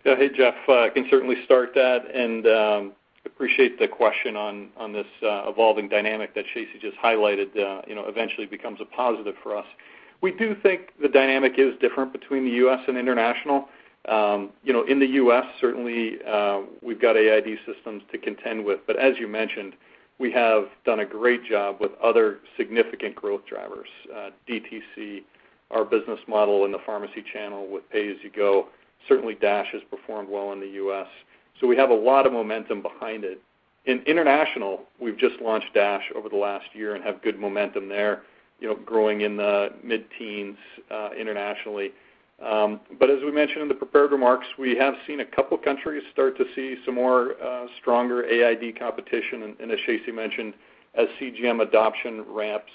Hey, Jeff, I can certainly start that, and appreciate the question on this evolving dynamic that Shacey just highlighted, you know, eventually becomes a positive for us. We do think the dynamic is different between the U.S. and international. You know, in the U.S., certainly, we've got AID systems to contend with. But as you mentioned, we have done a great job with other significant growth drivers, DTC, our business model in the pharmacy channel with pay-as-you-go. Certainly DASH has performed well in the U.S. We have a lot of momentum behind it. In international, we've just launched DASH over the last year and have good momentum there, you know, growing in the mid-teens, internationally. As we mentioned in the prepared remarks, we have seen a couple countries start to see some more stronger AID competition. As Shacey mentioned, as CGM adoption ramps,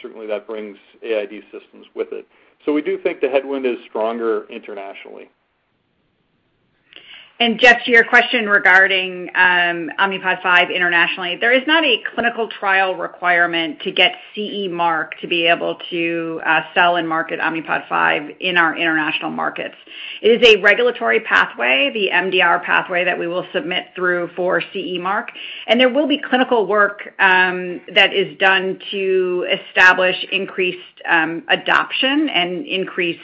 certainly that brings AID systems with it. We do think the headwind is stronger internationally. Jeff, to your question regarding Omnipod 5 internationally, there is not a clinical trial requirement to get CE mark to be able to sell and market Omnipod 5 in our international markets. It is a regulatory pathway, the MDR pathway that we will submit through for CE mark, and there will be clinical work that is done to establish increased adoption and increased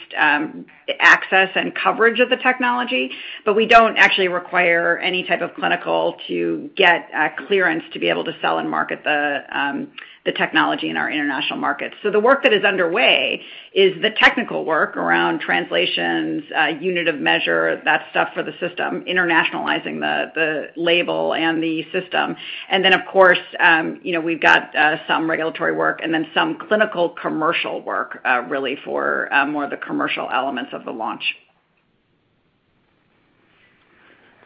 access and coverage of the technology. But we don't actually require any type of clinical to get clearance to be able to sell and market the technology in our international markets. So the work that is underway is the technical work around translations, unit of measure, that stuff for the system, internationalizing the label and the system. Of course, you know, we've got some regulatory work and then some clinical commercial work, really for more of the commercial elements of the launch.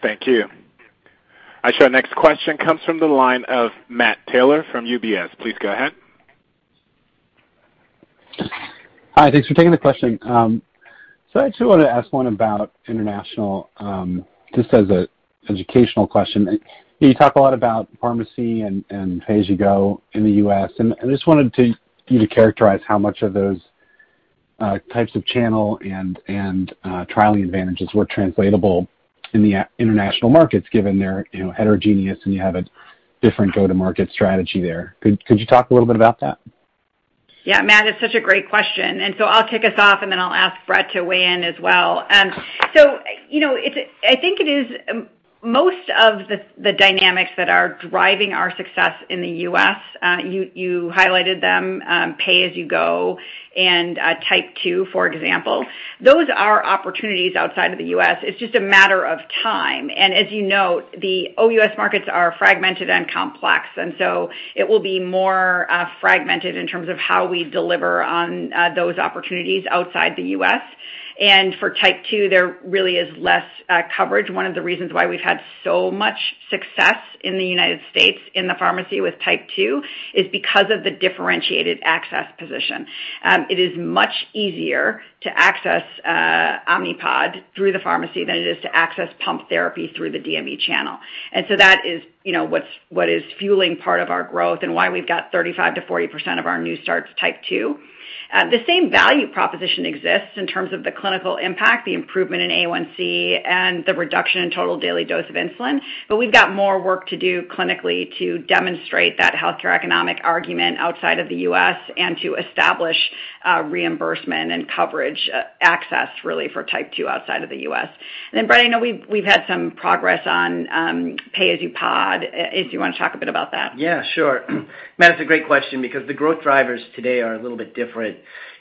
Thank you. I see our next question comes from the line of Matt Taylor from UBS. Please go ahead. Hi, thanks for taking the question. So I actually wanna ask one about international, just as a educational question. You talk a lot about pharmacy and pay as you go in the U.S., and I just wanted to characterize how much of those types of channel and trialing advantages were translatable in the international markets given their, you know, heterogeneous and you have a different go-to-market strategy there. Could you talk a little bit about that? Yeah, Matt, it's such a great question. I'll kick us off, and then I'll ask Bret to weigh in as well. You know, I think it is. Most of the dynamics that are driving our success in the U.S., you highlighted them, pay-as-you-go and type 2, for example. Those are opportunities outside of the U.S. It's just a matter of time. As you note, the OUS markets are fragmented and complex, so it will be more fragmented in terms of how we deliver on those opportunities outside the U.S. For type 2, there really is less coverage. One of the reasons why we've had so much success in the United States in the pharmacy with type 2 is because of the differentiated access position. It is much easier to access Omnipod through the pharmacy than it is to access pump therapy through the DME channel. That is, you know, what is fueling part of our growth and why we've got 35% to 40% of our new starts type 2. The same value proposition exists in terms of the clinical impact, the improvement in A1C, and the reduction in total daily dose of insulin. We've got more work to do clinically to demonstrate that healthcare economic argument outside of the U.S. and to establish reimbursement and coverage access really for type 2 outside of the U.S. Then Brett, I know we've had some progress on pay-as-you-go. If you wanna talk a bit about that. Yeah, sure. Matt, it's a great question because the growth drivers today are a little bit different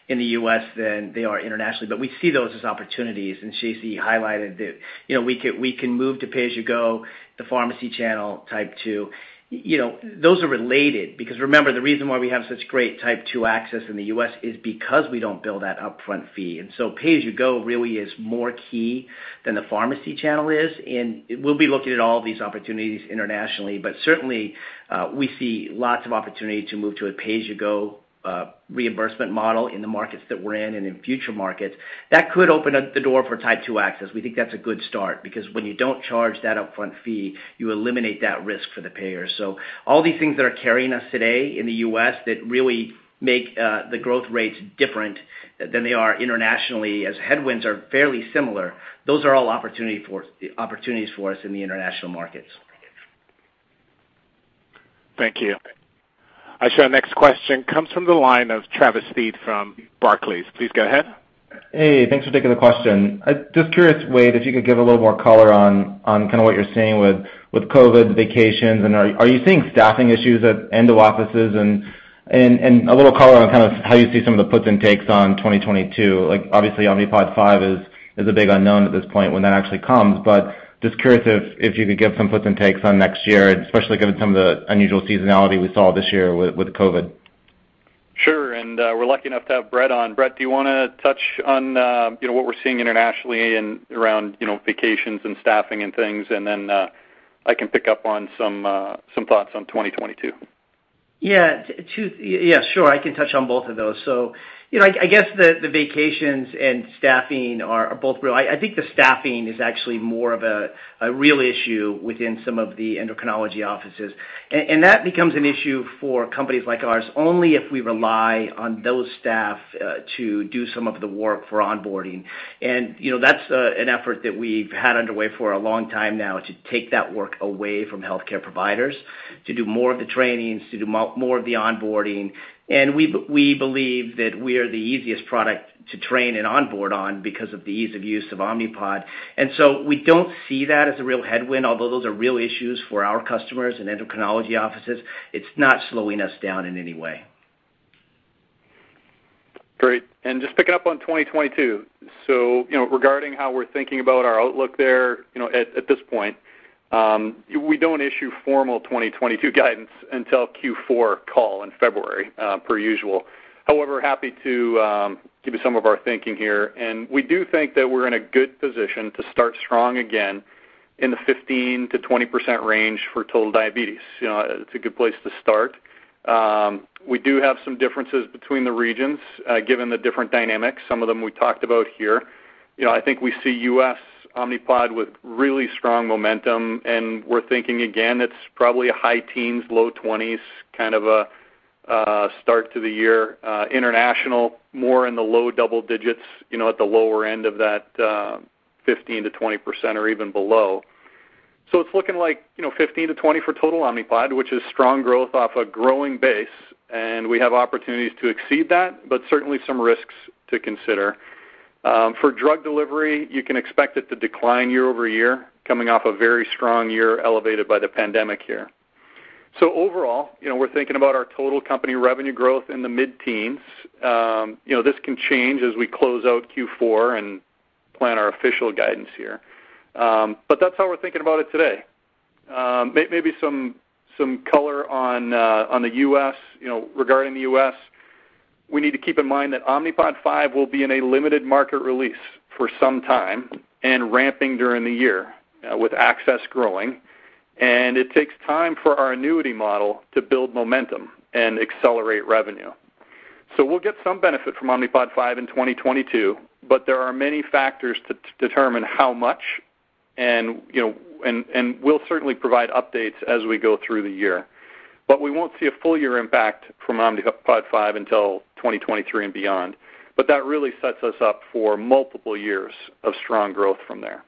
in the U.S. than they are internationally. We see those as opportunities, and Shacey highlighted that, you know, we can move to pay-as-you-go, the pharmacy channel type 2. You know, those are related because remember, the reason why we have such great type 2 access in the U.S. is because we don't bill that upfront fee. Pay-as-you-go really is more key than the pharmacy channel is. We'll be looking at all these opportunities internationally. Certainly, we see lots of opportunity to move to a pay-as-you-go reimbursement model in the markets that we're in and in future markets. That could open up the door for type 2 access. We think that's a good start because when you don't charge that upfront fee, you eliminate that risk for the payer. All these things that are carrying us today in the U.S. that really make the growth rates different than they are internationally, as headwinds are fairly similar, those are all opportunities for us in the international markets. Thank you. I show our next question comes from the line of Travis Steed from Barclays. Please go ahead. Hey, thanks for taking the question. I just curious, Wayce, if you could give a little more color on kinda what you're seeing with COVID, vacations, and are you seeing staffing issues at endo offices? A little color on kind of how you see some of the puts and takes on 2022. Like, obviously, Omnipod 5 is a big unknown at this point when that actually comes. But just curious if you could give some puts and takes on next year, and especially given some of the unusual seasonality we saw this year with COVID. Sure. We're lucky enough to have Bret on. Bret, do you wanna touch on, you know, what we're seeing internationally and around, you know, vacations and staffing and things? Then, I can pick up on some thoughts on 2022. Yeah, sure. I can touch on both of those. You know, I guess the vacations and staffing are both real. I think the staffing is actually more of a real issue within some of the endocrinology offices. That becomes an issue for companies like ours only if we rely on those staff to do some of the work for onboarding. You know, that's an effort that we've had underway for a long time now to take that work away from healthcare providers, to do more of the trainings, to do more of the onboarding. We believe that we are the easiest product to train and onboard on because of the ease of use of Omnipod. We don't see that as a real headwind, although those are real issues for our customers and endocrinology offices. It's not slowing us down in any way. Great. Just picking up on 2022. You know, regarding how we're thinking about our outlook there, you know, at this point, we don't issue formal 2022 guidance until Q4 call in February, per usual. However, happy to give you some of our thinking here. We do think that we're in a good position to start strong again in the 15% to 20% range for total diabetes. You know, it's a good place to start. We do have some differences between the regions, given the different dynamics. Some of them we talked about here. You know, I think we see U.S. Omnipod with really strong momentum, and we're thinking again, it's probably a high teens, low 20s kind of a start to the year. International, more in the low double digits, you know, at the lower end of that, 15% to 20% or even below. It's looking like, you know, 15% to 20% for total Omnipod, which is strong growth off a growing base, and we have opportunities to exceed that, but certainly some risks to consider. For drug delivery, you can expect it to decline year-over-year, coming off a very strong year elevated by the pandemic year. Overall, you know, we're thinking about our total company revenue growth in the mid-teens. You know, this can change as we close out Q4 and plan our official guidance here. But that's how we're thinking about it today. Maybe some color on the U.S. You know, regarding the U.S., we need to keep in mind that Omnipod 5 will be in a limited market release for some time and ramping during the year, with access growing, and it takes time for our annuity model to build momentum and accelerate revenue. We'll get some benefit from Omnipod 5 in 2022, but there are many factors to determine how much, and, you know, we'll certainly provide updates as we go through the year. We won't see a full year impact from Omnipod 5 until 2023 and beyond. That really sets us up for multiple years of strong growth from there.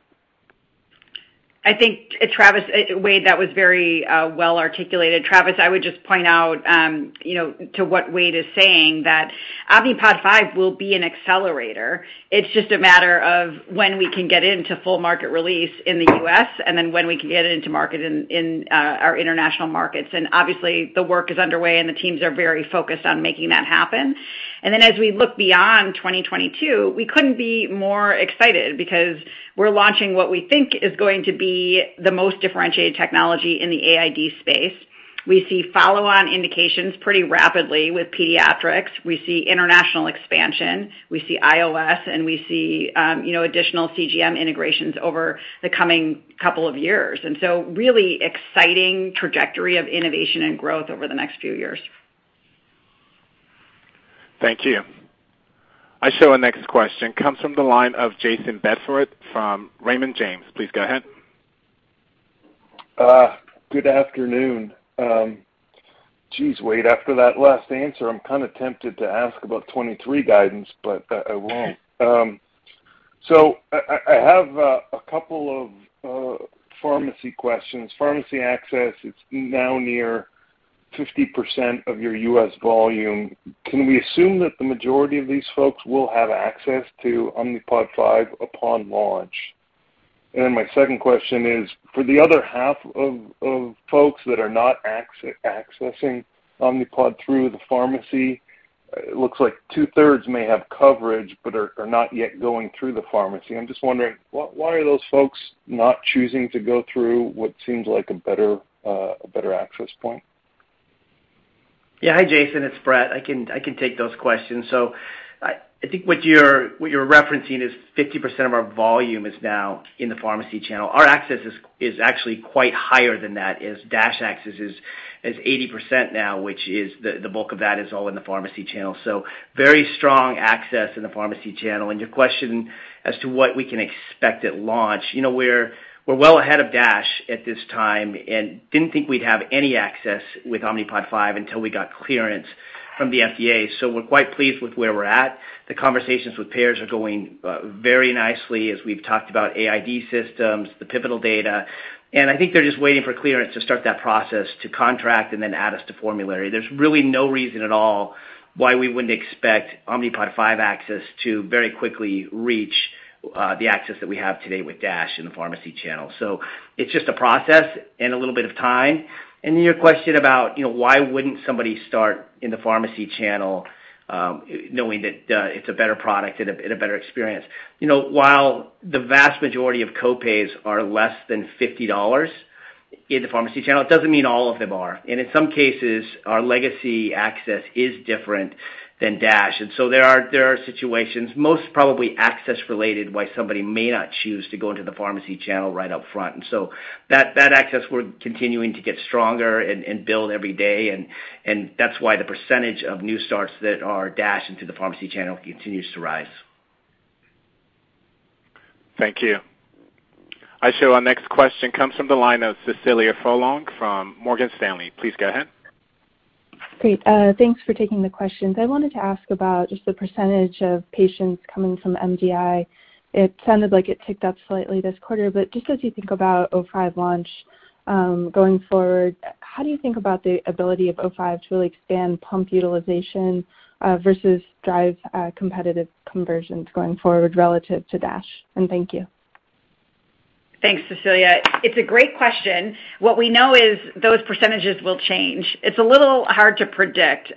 I think, Travis, Wayde, that was very well articulated. Travis, I would just point out, you know, to what Wayde is saying, that Omnipod 5 will be an accelerator. It's just a matter of when we can get into full market release in the U.S., and then when we can get it into market in our international markets. Obviously, the work is underway, and the teams are very focused on making that happen. As we look beyond 2022, we couldn't be more excited because we're launching what we think is going to be the most differentiated technology in the AID space. We see follow-on indications pretty rapidly with pediatrics. We see international expansion, we see iOS, and we see additional CGM integrations over the coming couple of years. Really exciting trajectory of innovation and growth over the next few years. Thank you. Our next question comes from the line of Jayson Bedford from Raymond James. Please go ahead. Good afternoon. Geez, Wayde, after that last answer, I'm kind of tempted to ask about 2023 guidance, but I won't. So I have a couple of pharmacy questions. Pharmacy access, it's now near 50% of your U.S. volume. Can we assume that the majority of these folks will have access to Omnipod 5 upon launch? Then my second question is, for the other half of folks that are not accessing Omnipod through the pharmacy, it looks like 2/3 may have coverage but are not yet going through the pharmacy. I'm just wondering why those folks are not choosing to go through what seems like a better access point? Hi, Jayson, it's Bret. I can take those questions. I think what you're referencing is 50% of our volume is now in the pharmacy channel. Our access is actually quite higher than that, as DASH access is 80% now, which is the bulk of that is all in the pharmacy channel. Very strong access in the pharmacy channel. Your question as to what we can expect at launch. You know, we're well ahead of DASH at this time and didn't think we'd have any access with Omnipod 5 until we got clearance from the FDA. We're quite pleased with where we're at. The conversations with payers are going very nicely as we've talked about AID systems, the pivotal data. I think they're just waiting for clearance to start that process to contract and then add us to formulary. There's really no reason at all why we wouldn't expect Omnipod 5 access to very quickly reach the access that we have today with DASH in the pharmacy channel. It's just a process and a little bit of time. Your question about, you know, why wouldn't somebody start in the pharmacy channel, knowing that it's a better product and a better experience. You know, while the vast majority of co-pays are less than $50 in the pharmacy channel, it doesn't mean all of them are. In some cases, our legacy access is different than DASH. There are situations, most probably access related, why somebody may not choose to go into the pharmacy channel right up front. that access we're continuing to get stronger and build every day. That's why the percentage of new starts that are Dash into the pharmacy channel continues to rise. Thank you. I show our next question comes from the line of Cecilia Furlong from Morgan Stanley. Please go ahead. Great. Thanks for taking the questions. I wanted to ask about just the percentage of patients coming from MDI. It sounded like it ticked up slightly this quarter, but just as you think about Omnipod 5 launch, going forward, how do you think about the ability of Omnipod 5 to really expand pump utilization, versus driving competitive conversions going forward relative to Omnipod DASH? Thank you. Thanks, Cecilia. It's a great question. What we know is those percentages will change. It's a little hard to predict.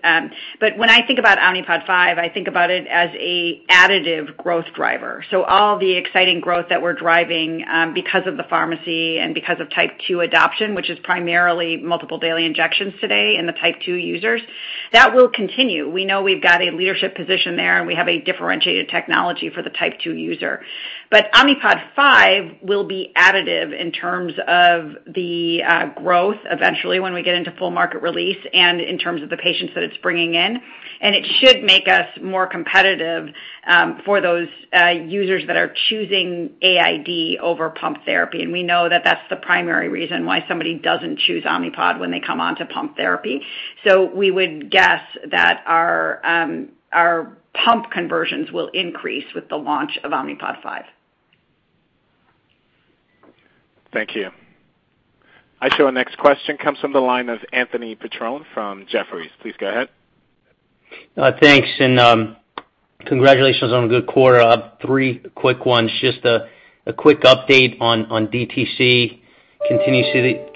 But when I think about Omnipod 5, I think about it as a additive growth driver. All the exciting growth that we're driving, because of the pharmacy and because of type two adoption, which is primarily multiple daily injections today in the type two users, that will continue. We know we've got a leadership position there, and we have a differentiated technology for the type two user. Omnipod 5 will be additive in terms of the, growth eventually when we get into full market release and in terms of the patients that it's bringing in. It should make us more competitive, for those, users that are choosing AID over pump therapy. We know that that's the primary reason why somebody doesn't choose Omnipod when they come on to pump therapy. We would guess that our pump conversions will increase with the launch of Omnipod 5. Thank you. Our next question comes from the line of Anthony Petrone from Jefferies. Please go ahead. Thanks and congratulations on a good quarter. I have three quick ones. Just a quick update on DTC. Continue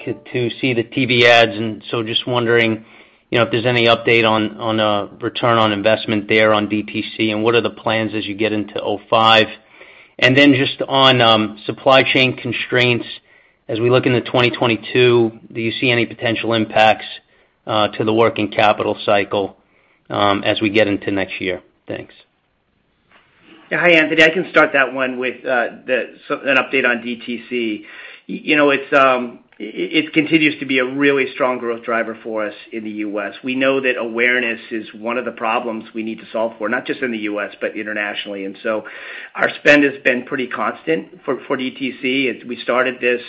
to see the TV ads, and so just wondering, you know, if there's any update on return on investment there on DTC. What are the plans as you get into Omnipod 5? Just on supply chain constraints, as we look into 2022, do you see any potential impacts to the working capital cycle as we get into next year? Thanks. Hi, Anthony. I can start that one with an update on DTC. You know, it continues to be a really strong growth driver for us in the U.S. We know that awareness is one of the problems we need to solve for, not just in the U.S., but internationally. Our spend has been pretty constant for DTC. We started this,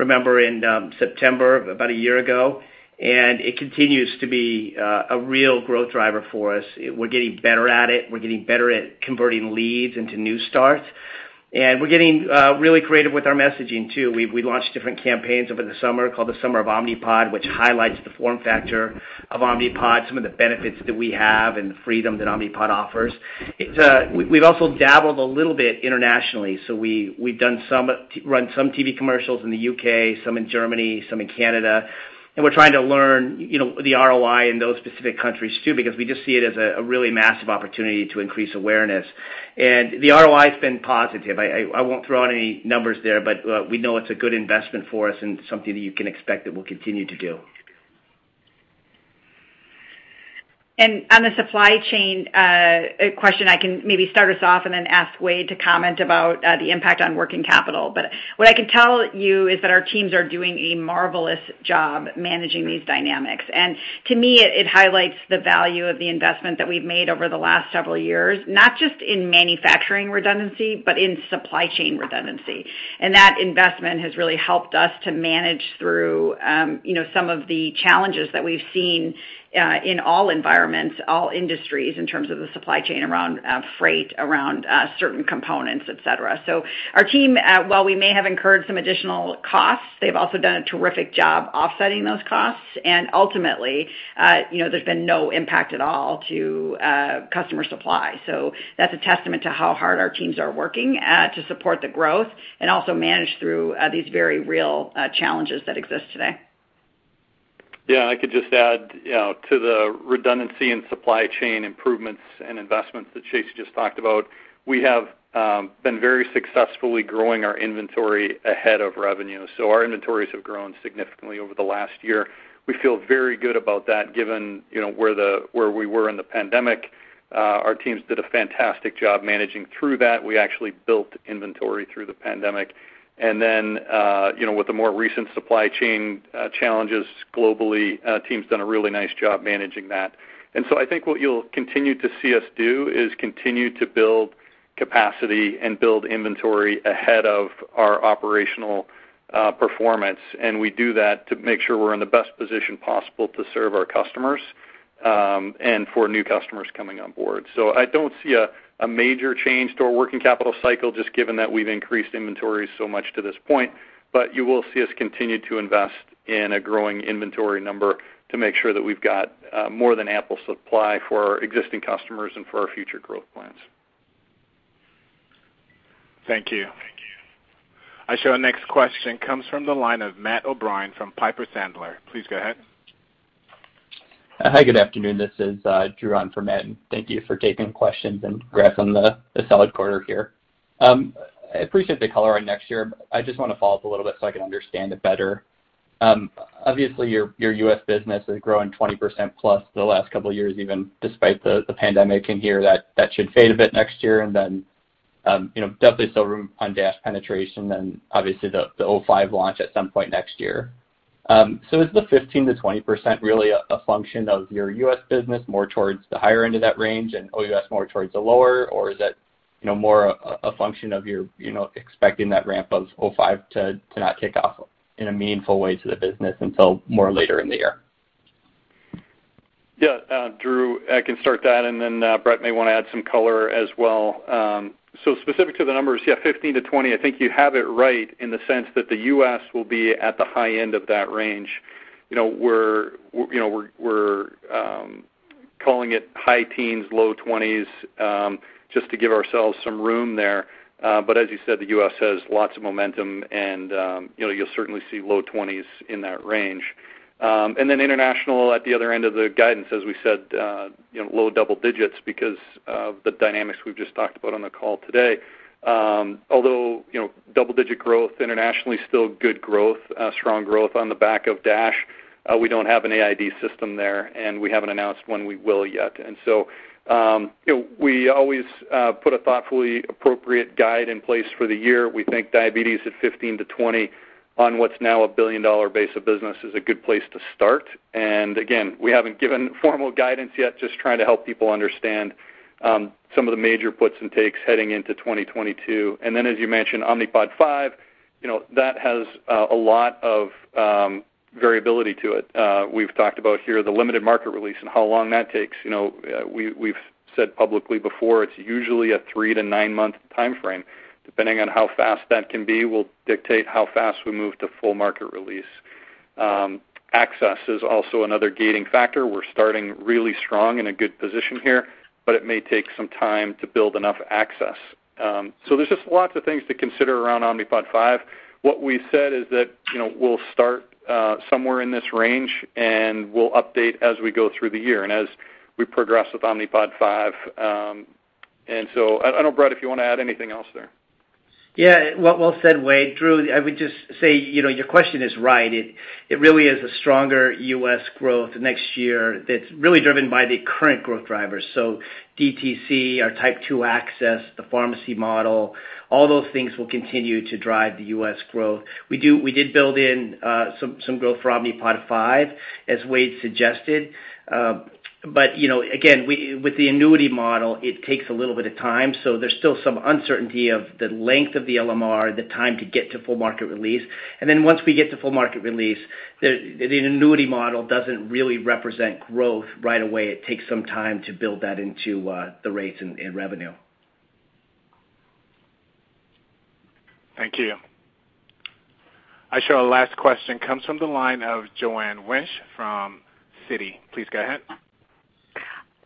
remember, in September, about a year ago, and it continues to be a real growth driver for us. We're getting better at it. We're getting better at converting leads into new starts. We're getting really creative with our messaging too. We launched different campaigns over the summer called the Summer of Omnipod, which highlights the form factor of Omnipod, some of the benefits that we have and the freedom that Omnipod offers. It We've also dabbled a little bit internationally. We've run some TV commercials in the U.K., some in Germany, some in Canada. We're trying to learn, you know, the ROI in those specific countries too, because we just see it as a really massive opportunity to increase awareness. The ROI's been positive. I won't throw out any numbers there, but we know it's a good investment for us and something that you can expect that we'll continue to do. On the supply chain question, I can maybe start us off and then ask Wayde to comment about the impact on working capital. What I can tell you is that our teams are doing a marvelous job managing these dynamics. That investment has really helped us to manage through, you know, some of the challenges that we've seen, in all environments, all industries in terms of the supply chain around, freight, around, certain components, et cetera. Our team, while we may have incurred some additional costs, they've also done a terrific job offsetting those costs. Ultimately, you know, there's been no impact at all to customer supply. That's a testament to how hard our teams are working to support the growth and also manage through these very real challenges that exist today. Yeah. I could just add, you know, to the redundancy and supply chain improvements and investments that Shacey just talked about, we have been very successfully growing our inventory ahead of revenue. Our inventories have grown significantly over the last year. We feel very good about that given, you know, where we were in the pandemic. Our teams did a fantastic job managing through that. We actually built inventory through the pandemic. Then, you know, with the more recent supply chain challenges globally, team's done a really nice job managing that. I think what you'll continue to see us do is continue to build capacity and build inventory ahead of our operational performance. We do that to make sure we're in the best position possible to serve our customers and for new customers coming on board. I don't see a major change to our working capital cycle just given that we've increased inventory so much to this point. You will see us continue to invest in a growing inventory number to make sure that we've got more than ample supply for our existing customers and for our future growth plans. Thank you. I show our next question comes from the line of Matt O'Brien from Piper Sandler. Please go ahead. Hi, good afternoon. This is Drew on for Matt. Thank you for taking questions and congrats on the solid quarter here. I appreciate the color on next year. I just wanna follow up a little bit so I can understand it better. Obviously, your U.S. business is growing 20% plus the last couple years, even despite the pandemic. I hear that should fade a bit next year. You know, definitely still room on DASH penetration then obviously the Omnipod 5 launch at some point next year. Is the 15% to 20% really a function of your U.S. business more towards the higher end of that range and OUS more towards the lower, or is that, you know, more a function of your, you know, expecting that ramp of Omnipod 5 to not kick off in a meaningful way to the business until more later in the year? Yeah, Drew, I can start that, and then, Bret may wanna add some color as well. Specific to the numbers, yeah, 15% to 20%, I think you have it right in the sense that the U.S. will be at the high end of that range. You know, we're, you know, calling it high teens, low 20s, just to give ourselves some room there. As you said, the U.S. has lots of momentum, and, you know, you'll certainly see low 20s in that range. International at the other end of the guidance, as we said, you know, low double digits because of the dynamics we've just talked about on the call today. Although, you know, double-digit growth internationally, still good growth, strong growth on the back of DASH, we don't have an AID system there, and we haven't announced when we will yet. You know, we always put a thoughtfully appropriate guide in place for the year. We think diabetes at 15% to 20% on what's now a billion-dollar base of business is a good place to start. Again, we haven't given formal guidance yet, just trying to help people understand some of the major puts and takes heading into 2022. As you mentioned, Omnipod 5, you know, that has a lot of variability to it. We've talked about here the limited market release and how long that takes. You know, we've said publicly before, it's usually a three to nine month timeframe. Depending on how fast that can be will dictate how fast we move to full market release. Access is also another gating factor. We're starting really strong in a good position here, but it may take some time to build enough access. So there's just lots of things to consider around Omnipod 5. What we said is that, you know, we'll start somewhere in this range, and we'll update as we go through the year and as we progress with Omnipod 5. I don't know, Bret, if you wanna add anything else there. Yeah. Well said, Wayde. Drew, I would just say, you know, your question is right. It really is a stronger U.S. growth next year that's really driven by the current growth drivers. DTC, our Type 2 access, the pharmacy model, all those things will continue to drive the U.S. growth. We did build in some growth for Omnipod 5, as Wayde suggested. But, you know, again, with the annuity model, it takes a little bit of time. There's still some uncertainty of the length of the LMR, the time to get to full market release. Then once we get to full market release, the annuity model doesn't really represent growth right away. It takes some time to build that into the rates and revenue. Thank you. I show our last question comes from the line of Joanne Wuensch from Citi. Please go ahead.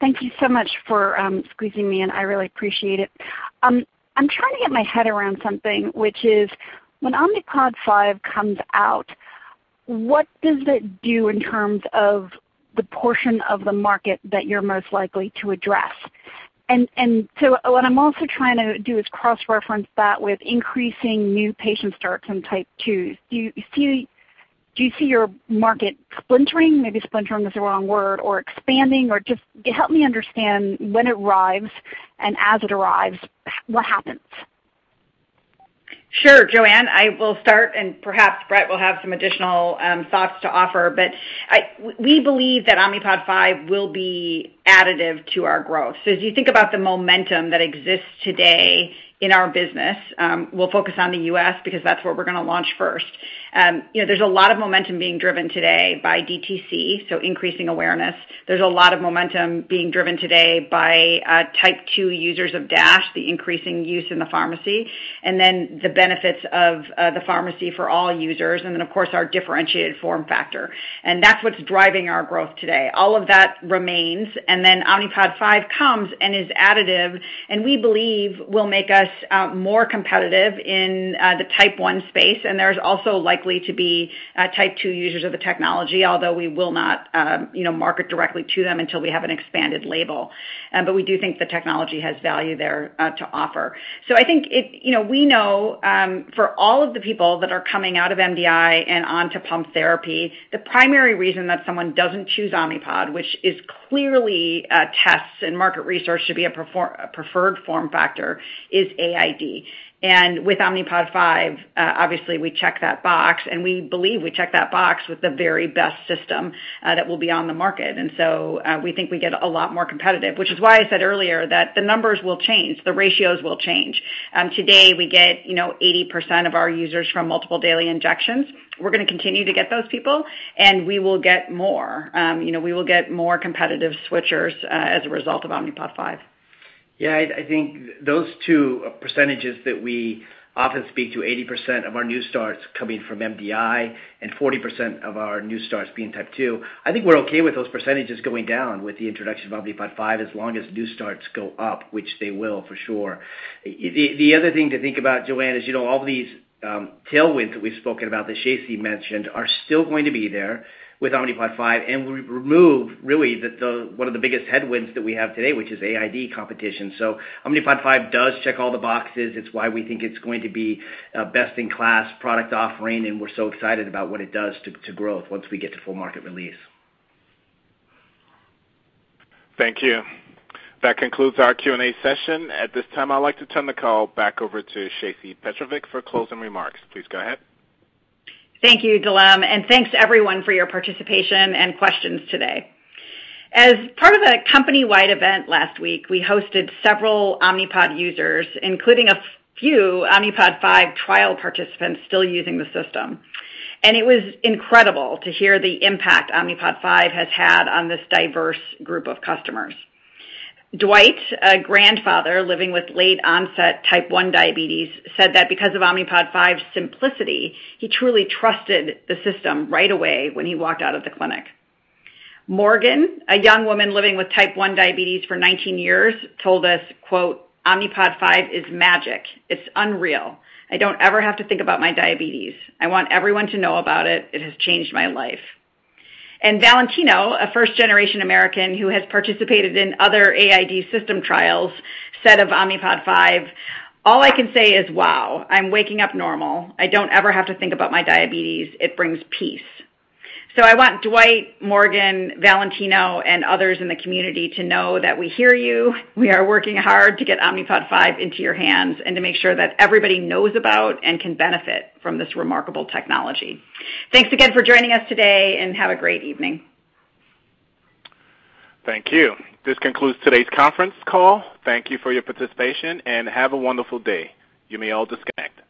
Thank you so much for squeezing me in. I really appreciate it. I'm trying to get my head around something, which is when Omnipod 5 comes out, what does it do in terms of the portion of the market that you're most likely to address? What I'm also trying to do is cross-reference that with increasing new patient starts in type 2. Do you see your market splintering? Maybe splintering is the wrong word, or expanding, or just help me understand when it arrives, and as it arrives, what happens? Sure. Joanne, I will start, and perhaps Bret will have some additional thoughts to offer. We believe that Omnipod 5 will be additive to our growth. As you think about the momentum that exists today in our business, we'll focus on the U.S. because that's where we're gonna launch first. You know, there's a lot of momentum being driven today by DTC, so increasing awareness. There's a lot of momentum being driven today by type 2 users of DASH, the increasing use in the pharmacy, and then the benefits of the pharmacy for all users, and then of course our differentiated form factor. That's what's driving our growth today. All of that remains, and then Omnipod 5 comes and is additive, and we believe will make us more competitive in the type 1 space. There's also likely to be type 2 users of the technology, although we will not, you know, market directly to them until we have an expanded label. We do think the technology has value there, to offer. I think it, you know, we know, for all of the people that are coming out of MDI and onto pump therapy, the primary reason that someone doesn't choose Omnipod, which is clearly, tests and market research should be a preferred form factor, is AID. With Omnipod 5, obviously we check that box, and we believe we check that box with the very best system, that will be on the market. We think we get a lot more competitive, which is why I said earlier that the numbers will change, the ratios will change. Today, we get, you know, 80% of our users from multiple daily injections. We're gonna continue to get those people, and we will get more. You know, we will get more competitive switchers as a result of Omnipod 5. Yeah. I think those two percentages that we often speak to, 80% of our new starts coming from MDI and 40% of our new starts being type two. I think we're okay with those percentages going down with the introduction of Omnipod 5 as long as new starts go up, which they will for sure. The other thing to think about, Joanne, is, you know, all these tailwinds that we've spoken about, that Shacey mentioned are still going to be there with Omnipod 5, and we remove really one of the biggest headwinds that we have today, which is AID competition. Omnipod 5 does check all the boxes. It's why we think it's going to be a best-in-class product offering, and we're so excited about what it does to growth once we get to full market release. Thank you. That concludes our Q&A session. At this time, I'd like to turn the call back over to Shacey Petrovic for closing remarks. Please go ahead. Thank you, Dalam. Thanks to everyone for your participation and questions today. As part of a company-wide event last week, we hosted several Omnipod users, including a few Omnipod 5 trial participants still using the system. It was incredible to hear the impact Omnipod 5 has had on this diverse group of customers. Dwight, a grandfather living with late onset type one diabetes, said that because of Omnipod 5's simplicity, he truly trusted the system right away when he walked out of the clinic. Morgan, a young woman living with type one diabetes for 19 years, told us, quote, "Omnipod 5 is magic. It's unreal. I don't ever have to think about my diabetes. I want everyone to know about it. It has changed my life." Valentino, a first-generation American who has participated in other AID system trials, said of Omnipod 5, "All I can say is wow. I'm waking up normal. I don't ever have to think about my diabetes. It brings peace." I want Dwight, Morgan, Valentino, and others in the community to know that we hear you. We are working hard to get Omnipod 5 into your hands and to make sure that everybody knows about and can benefit from this remarkable technology. Thanks again for joining us today, and have a great evening. Thank you. This concludes today's conference call. Thank you for your participation, and have a wonderful day. You may all disconnect.